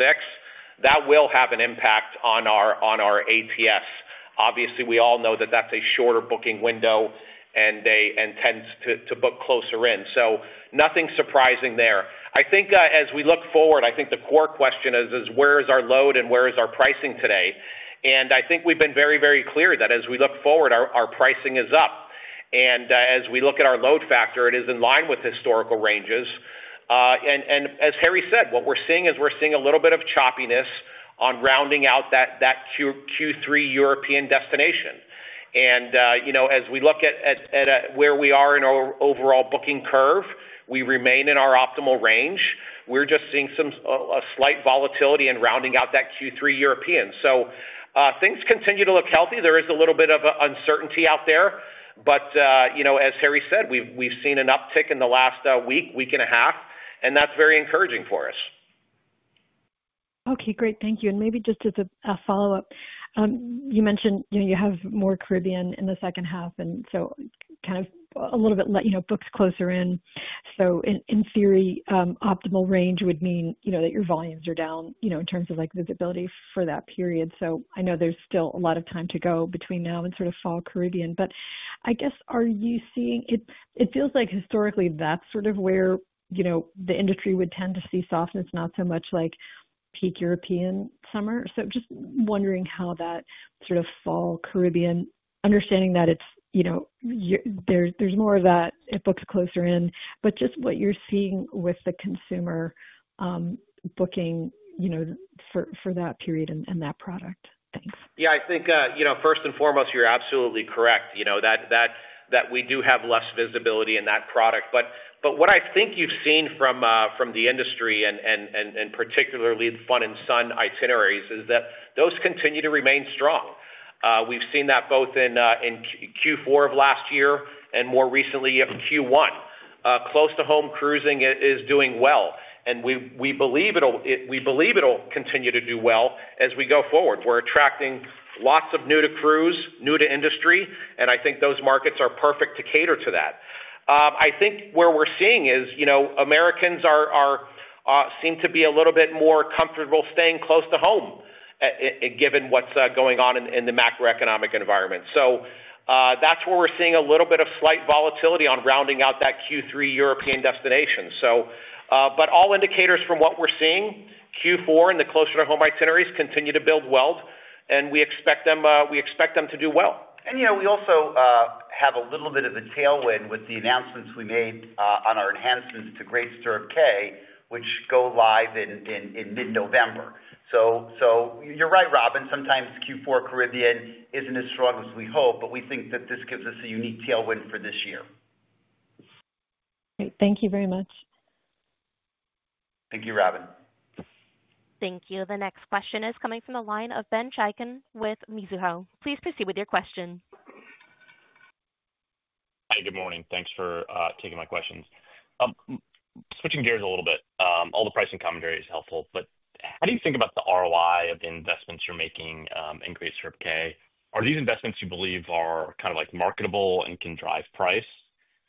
that will have an impact on our ATS. Obviously, we all know that that's a shorter booking window and tends to book closer in. Nothing surprising there. I think as we look forward, I think the core question is, where is our load and where is our pricing today? I think we've been very, very clear that as we look forward, our pricing is up. As we look at our load factor, it is in line with historical ranges. As Harry said, what we're seeing is a little bit of choppiness on rounding out that Q3 European destination. As we look at where we are in our overall booking curve, we remain in our optimal range. We're just seeing some slight volatility in rounding out that Q3 European. Things continue to look healthy. There is a little bit of uncertainty out there, but as Harry said, we've seen an uptick in the last week, week and a half, and that's very encouraging for us. Okay. Great. Thank you. Maybe just as a follow-up, you mentioned you have more Caribbean in the second half, and so kind of a little bit books closer in. In theory, optimal range would mean that your volumes are down in terms of visibility for that period. I know there's still a lot of time to go between now and sort of fall Caribbean. I guess, are you seeing it feels like historically that's sort of where the industry would tend to see softness, not so much like peak European summer. Just wondering how that sort of fall Caribbean, understanding that there's more of that at books closer in, but just what you're seeing with the consumer booking for that period and that product. Thanks. Yeah. I think first and foremost, you're absolutely correct that we do have less visibility in that product. What I think you've seen from the industry, and particularly the fun and sun itineraries, is that those continue to remain strong. We've seen that both in Q4 of last year and more recently in Q1. Close-to-home cruising is doing well, and we believe it'll continue to do well as we go forward. We're attracting lots of new-to-cruise, new-to-industry, and I think those markets are perfect to cater to that. I think where we're seeing is Americans seem to be a little bit more comfortable staying close to home, given what's going on in the macroeconomic environment. That's where we're seeing a little bit of slight volatility on rounding out that Q3 European destination. All indicators from what we're seeing, Q4 and the closer to home itineraries continue to build well, and we expect them to do well. We also have a little bit of a tailwind with the announcements we made on our enhancements to Great Stirrup Cay, which go live in mid-November. You're right, Robin. Sometimes Q4 Caribbean isn't as strong as we hope, but we think that this gives us a unique tailwind for this year. Great. Thank you very much. Thank you, Robin. Thank you. The next question is coming from the line of Ben Chaiken with Mizuho. Please proceed with your question. Hi. Good morning. Thanks for taking my questions. Switching gears a little bit, all the pricing commentary is helpful, but how do you think about the ROI of the investments you're making in Great Stirrup Cay? Are these investments you believe are kind of marketable and can drive price?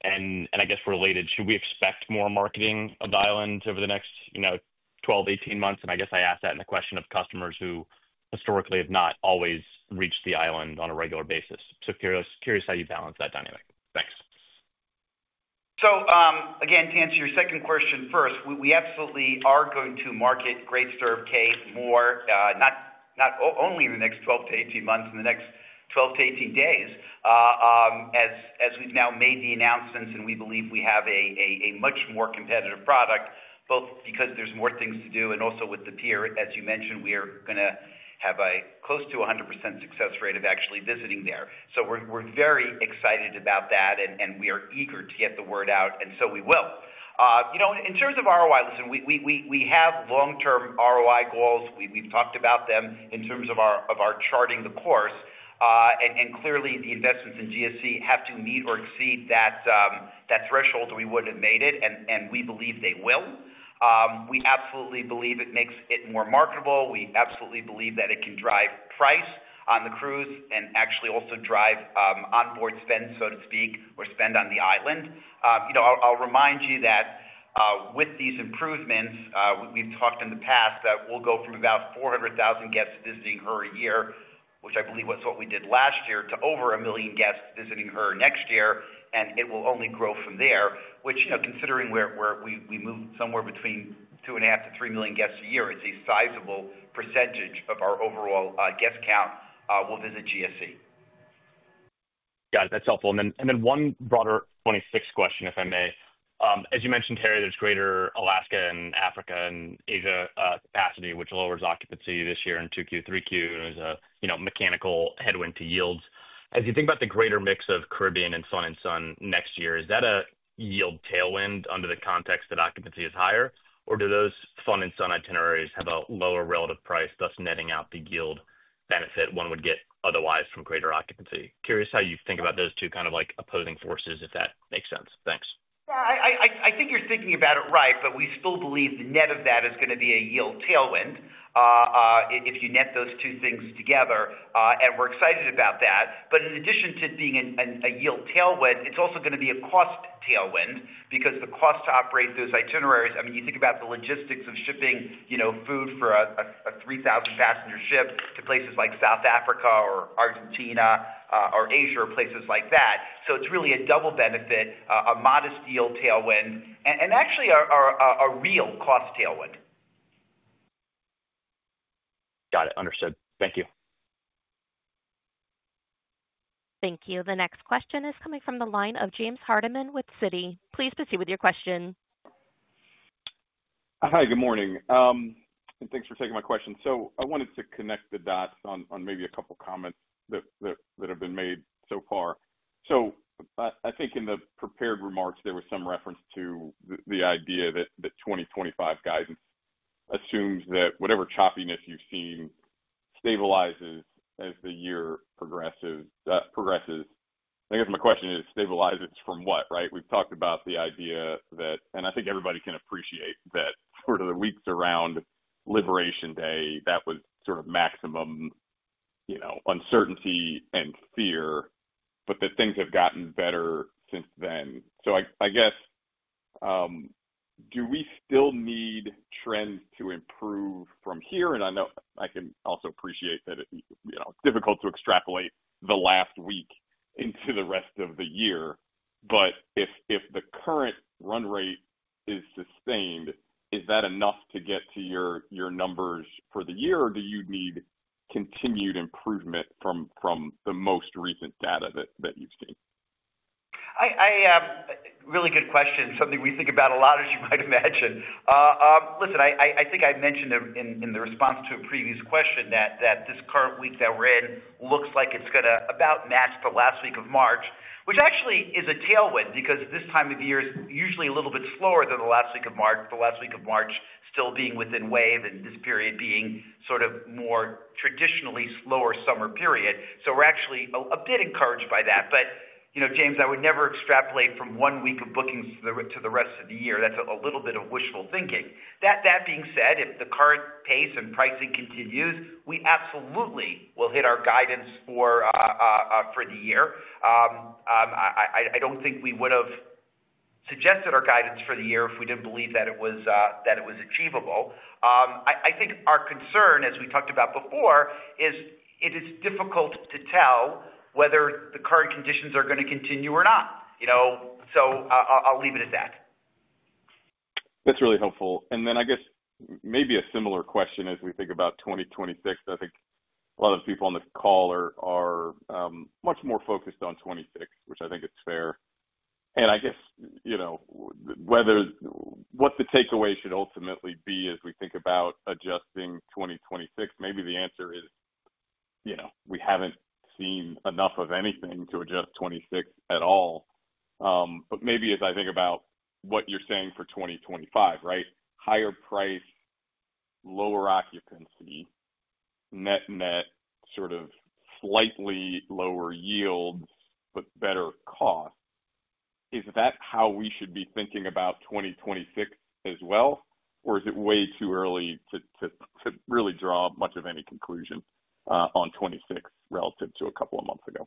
I guess related, should we expect more marketing of the island over the next 12-18 months? I guess I ask that in the question of customers who historically have not always reached the island on a regular basis. Curious how you balance that dynamic. Thanks. Again, to answer your second question first, we absolutely are going to market Great Stirrup Cay more, not only in the next 12 to 18 months, in the next 12 to 18 days, as we've now made the announcements and we believe we have a much more competitive product, both because there's more things to do and also with the pier. As you mentioned, we are going to have a close to 100% success rate of actually visiting there. We're very excited about that, and we are eager to get the word out, and we will. In terms of ROI, listen, we have long-term ROI goals. We've talked about them in terms of our Charting the Course, and clearly the investments in GSC have to meet or exceed that threshold, or we wouldn't have made it, and we believe they will. We absolutely believe it makes it more marketable. We absolutely believe that it can drive price on the cruise and actually also drive onboard spend, so to speak, or spend on the island. I'll remind you that with these improvements, we've talked in the past that we'll go from about 400,000 guests visiting her a year, which I believe was what we did last year, to over 1 million guests visiting her next year, and it will only grow from there, which considering where we move somewhere between 2.5-3 million guests a year, it's a sizable percentage of our overall guest count will visit GSC. Yeah. That's helpful. One broader 26 question, if I may. As you mentioned, Harry, there is greater Alaska and Africa and Asia capacity, which lowers occupancy this year in 2Q, 3Q, and is a mechanical headwind to yields. As you think about the greater mix of Caribbean and fun and sun next year, is that a yield tailwind under the context that occupancy is higher, or do those fun and sun itineraries have a lower relative price, thus netting out the yield benefit one would get otherwise from greater occupancy? Curious how you think about those two kind of opposing forces, if that makes sense. Thanks. Yeah. I think you're thinking about it right, but we still believe the net of that is going to be a yield tailwind if you net those two things together, and we're excited about that. In addition to being a yield tailwind, it's also going to be a cost tailwind because the cost to operate those itineraries, I mean, you think about the logistics of shipping food for a 3,000-passenger ship to places like South Africa or Argentina or Asia or places like that. It's really a double benefit, a modest yield tailwind, and actually a real cost tailwind. Got it. Understood. Thank you. Thank you. The next question is coming from the line of James Hardiman with Citi. Please proceed with your question. Hi. Good morning. Thanks for taking my question. I wanted to connect the dots on maybe a couple of comments that have been made so far. I think in the prepared remarks, there was some reference to the idea that the 2025 guidance assumes that whatever choppiness you've seen stabilizes as the year progresses. I guess my question is, stabilizes from what, right? We've talked about the idea that, and I think everybody can appreciate that sort of the weeks around Liberation Day, that was sort of maximum uncertainty and fear, but that things have gotten better since then. I guess, do we still need trends to improve from here? I know I can also appreciate that it's difficult to extrapolate the last week into the rest of the year, but if the current run rate is sustained, is that enough to get to your numbers for the year, or do you need continued improvement from the most recent data that you've seen? Really good question. Something we think about a lot, as you might imagine. Listen, I think I mentioned in the response to a previous question that this current week that we're in looks like it's going to about match the last week of March, which actually is a tailwind because this time of year is usually a little bit slower than the last week of March, the last week of March still being within wave and this period being sort of more traditionally slower summer period. We are actually a bit encouraged by that. James, I would never extrapolate from one week of bookings to the rest of the year. That's a little bit of wishful thinking. That being said, if the current pace and pricing continues, we absolutely will hit our guidance for the year. I don't think we would have suggested our guidance for the year if we didn't believe that it was achievable. I think our concern, as we talked about before, is it is difficult to tell whether the current conditions are going to continue or not. I'll leave it at that. That's really helpful. I guess maybe a similar question as we think about 2026. I think a lot of people on this call are much more focused on 2026, which I think is fair. I guess what the takeaway should ultimately be as we think about adjusting 2026, maybe the answer is we haven't seen enough of anything to adjust 2026 at all. Maybe as I think about what you're saying for 2025, right? Higher price, lower occupancy, net-net, sort of slightly lower yields, but better costs. Is that how we should be thinking about 2026 as well, or is it way too early to really draw much of any conclusion on 2026 relative to a couple of months ago?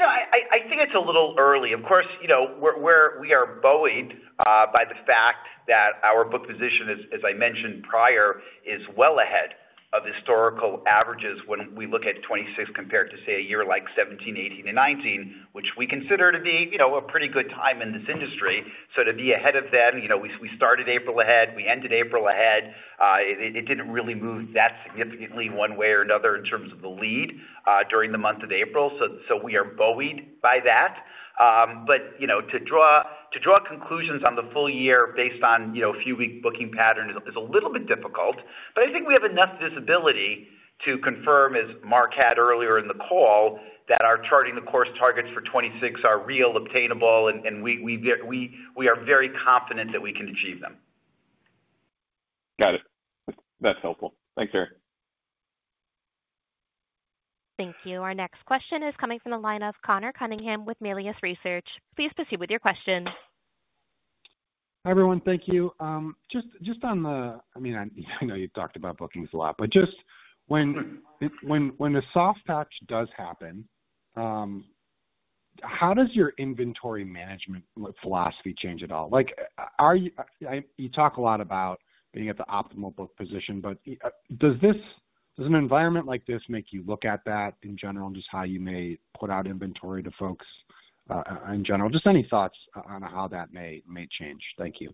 I think it's a little early. Of course, we are buoyed by the fact that our booked position, as I mentioned prior, is well ahead of historical averages when we look at 2026 compared to, say, a year like 2017, 2018, and 2019, which we consider to be a pretty good time in this industry. To be ahead of them, we started April ahead. We ended April ahead. It didn't really move that significantly one way or another in terms of the lead during the month of April. We are buoyed by that. To draw conclusions on the full year based on a few-week booking pattern is a little bit difficult. I think we have enough visibility to confirm, as Mark had earlier in the call, that our Charting the Course targets for 2026 are real, obtainable, and we are very confident that we can achieve them. Got it. That's helpful. Thanks, Harry. Thank you. Our next question is coming from the line of Conor Cunningham with Melius Research. Please proceed with your question. Hi, everyone. Thank you. Just on the—I mean, I know you've talked about bookings a lot, but just when a soft patch does happen, how does your inventory management philosophy change at all? You talk a lot about being at the optimal book position, but does an environment like this make you look at that in general and just how you may put out inventory to folks in general? Just any thoughts on how that may change? Thank you.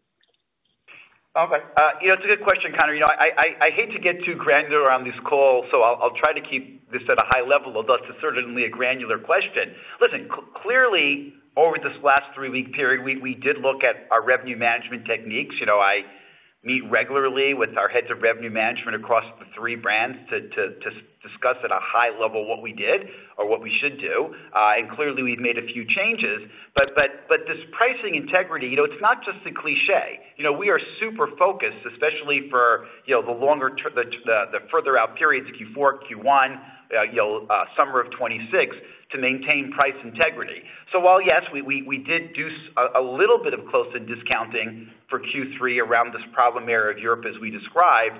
Okay. It's a good question, Conor. I hate to get too granular on this call, so I'll try to keep this at a high level, although it's certainly a granular question. Listen, clearly, over this last three-week period, we did look at our revenue management techniques. I meet regularly with our heads of revenue management across the three brands to discuss at a high level what we did or what we should do. Clearly, we've made a few changes. This pricing integrity, it's not just a cliché. We are super focused, especially for the further-out periods, Q4, Q1, summer of 2026, to maintain price integrity. While yes, we did do a little bit of close-in discounting for Q3 around this problem area of Europe, as we described,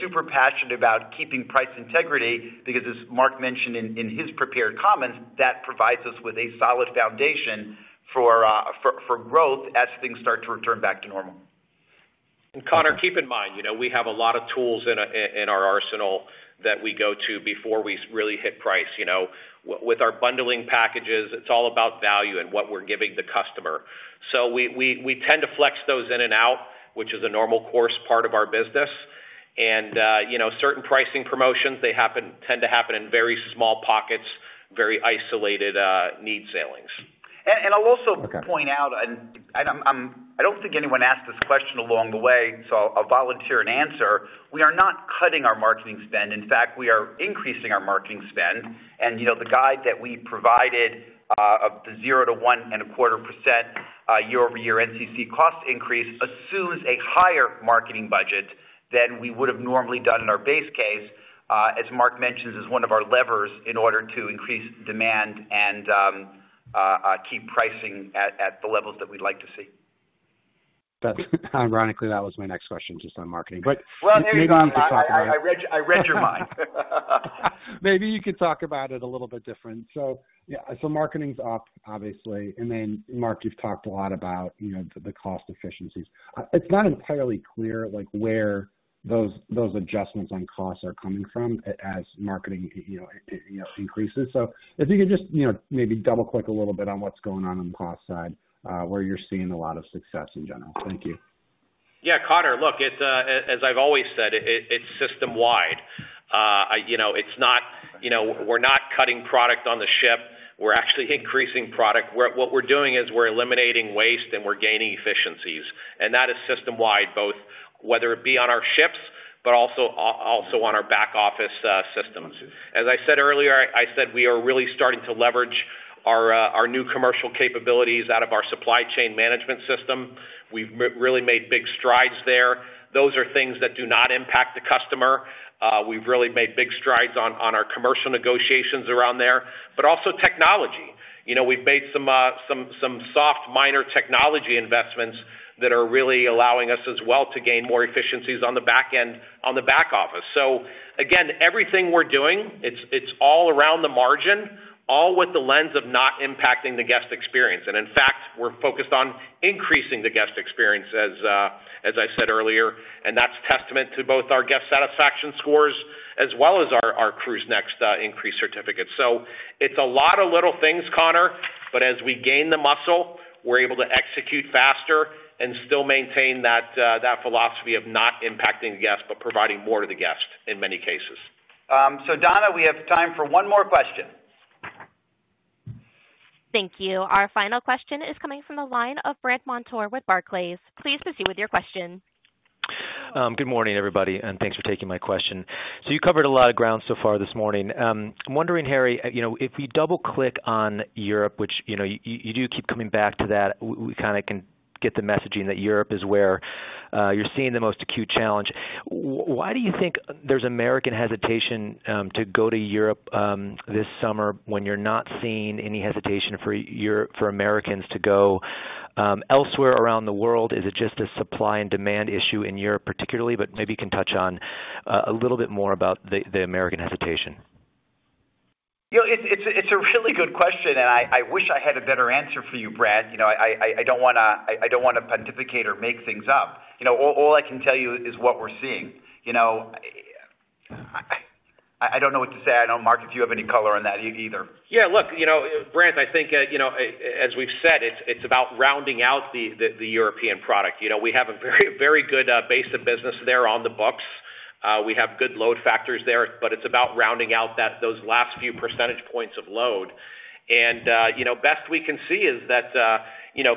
super passionate about keeping price integrity because, as Mark mentioned in his prepared comments, that provides us with a solid foundation for growth as things start to return back to normal. Conor, keep in mind, we have a lot of tools in our arsenal that we go to before we really hit price. With our bundling packages, it's all about value and what we're giving the customer. We tend to flex those in and out, which is a normal course part of our business. Certain pricing promotions, they tend to happen in very small pockets, very isolated need sailings. I'll also point out, I don't think anyone asked this question along the way, so I'll volunteer an answer. We are not cutting our marketing spend. In fact, we are increasing our marketing spend. The guide that we provided of the 0-1.25% year-over-year NCC cost increase assumes a higher marketing budget than we would have normally done in our base case, as Mark mentions, as one of our levers in order to increase demand and keep pricing at the levels that we'd like to see. Ironically, that was my next question, just on marketing. Moving on from talking about it. I read your mind. Maybe you could talk about it a little bit different. Marketing's up, obviously. Mark, you've talked a lot about the cost efficiencies. It's not entirely clear where those adjustments on costs are coming from as marketing increases. If you could just maybe double-click a little bit on what's going on on the cost side, where you're seeing a lot of success in general. Thank you. Yeah. Conor, look, as I've always said, it's system-wide. We're not cutting product on the ship. We're actually increasing product. What we're doing is we're eliminating waste and we're gaining efficiencies. That is system-wide, both whether it be on our ships, but also on our back office systems. As I said earlier, we are really starting to leverage our new commercial capabilities out of our supply chain management system. We've really made big strides there. Those are things that do not impact the customer. We've really made big strides on our commercial negotiations around there, but also technology. We've made some soft minor technology investments that are really allowing us as well to gain more efficiencies on the back end, on the back office. Again, everything we're doing, it's all around the margin, all with the lens of not impacting the guest experience. In fact, we're focused on increasing the guest experience, as I said earlier, and that's testament to both our guest satisfaction scores as well as our CruiseNext increase certificates. It's a lot of little things, Conor, but as we gain the muscle, we're able to execute faster and still maintain that philosophy of not impacting the guest, but providing more to the guest in many cases. Donna, we have time for one more question. Thank you. Our final question is coming from the line of Brandt Montour with Barclays. Please proceed with your question. Good morning, everybody, and thanks for taking my question. You covered a lot of ground so far this morning. I'm wondering, Harry, if we double-click on Europe, which you do keep coming back to, we kind of can get the messaging that Europe is where you're seeing the most acute challenge. Why do you think there's American hesitation to go to Europe this summer when you're not seeing any hesitation for Americans to go elsewhere around the world? Is it just a supply and demand issue in Europe particularly? Maybe you can touch on a little bit more about the American hesitation. It's a really good question, and I wish I had a better answer for you, Brandt. I don't want to pontificate or make things up. All I can tell you is what we're seeing. I don't know what to say. I don't know, Mark, if you have any color on that either. Yeah. Look, Brandt, I think, as we've said, it's about rounding out the European product. We have a very good base of business there on the books. We have good load factors there, but it's about rounding out those last few percentage points of load. The best we can see is that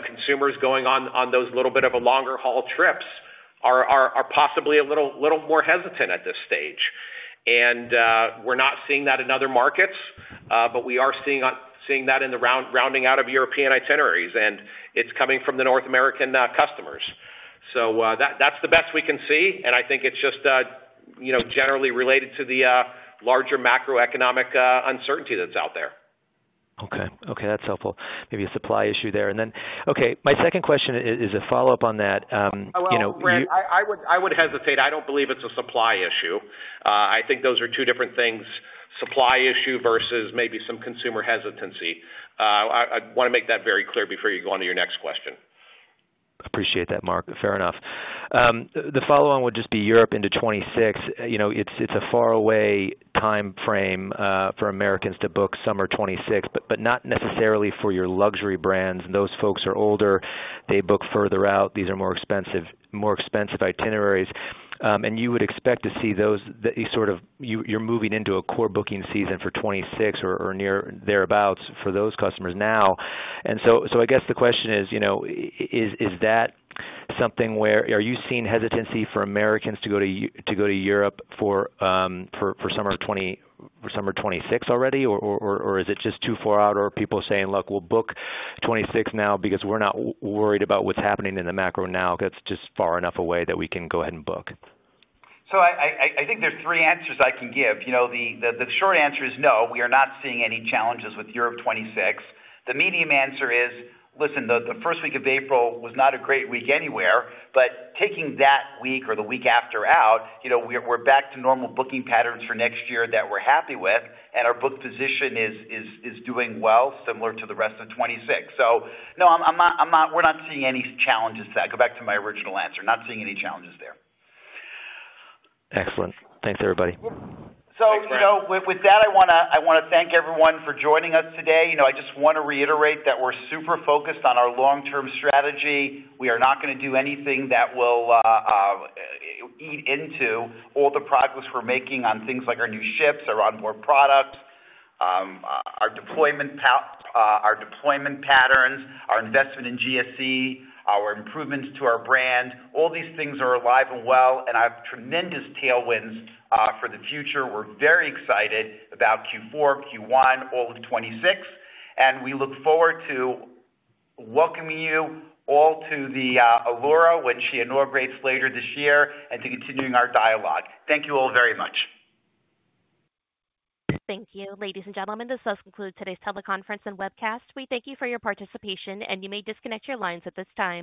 consumers going on those little bit of longer-haul trips are possibly a little more hesitant at this stage. We're not seeing that in other markets, but we are seeing that in the rounding out of European itineraries, and it's coming from the North American customers. That's the best we can see, and I think it's just generally related to the larger macroeconomic uncertainty that's out there. Okay. Okay. That's helpful. Maybe a supply issue there. Okay, my second question is a follow-up on that. I would hesitate. I do not believe it is a supply issue. I think those are two different things: supply issue versus maybe some consumer hesitancy. I want to make that very clear before you go on to your next question. Appreciate that, Mark. Fair enough. The follow-on would just be Europe into 2026. It is a faraway time frame for Americans to book summer 2026, but not necessarily for your luxury brands. Those folks are older. They book further out. These are more expensive itineraries. You would expect to see those sort of—you are moving into a core booking season for 2026 or thereabouts for those customers now. I guess the question is, is that something where are you seeing hesitancy for Americans to go to Europe for summer 2026 already, or is it just too far out? Are people saying, "Look, we'll book '26 now because we're not worried about what's happening in the macro now because it's just far enough away that we can go ahead and book"? I think there's three answers I can give. The short answer is no. We are not seeing any challenges with Europe 2026. The medium answer is, listen, the first week of April was not a great week anywhere, but taking that week or the week after out, we're back to normal booking patterns for next year that we're happy with, and our book position is doing well, similar to the rest of 2026. No, we're not seeing any challenges there. I go back to my original answer. Not seeing any challenges there. Excellent. Thanks, everybody. With that, I want to thank everyone for joining us today. I just want to reiterate that we're super focused on our long-term strategy. We are not going to do anything that will eat into all the progress we're making on things like our new ships, our onboard products, our deployment patterns, our investment in GSC, our improvements to our brand. All these things are alive and well, and I have tremendous tailwinds for the future. We're very excited about Q4, Q1, all of 2026, and we look forward to welcoming you all to the Allura when she inaugurates later this year and to continuing our dialogue. Thank you all very much. Thank you. Ladies and gentlemen, this does conclude today's teleconference and webcast. We thank you for your participation, and you may disconnect your lines at this time.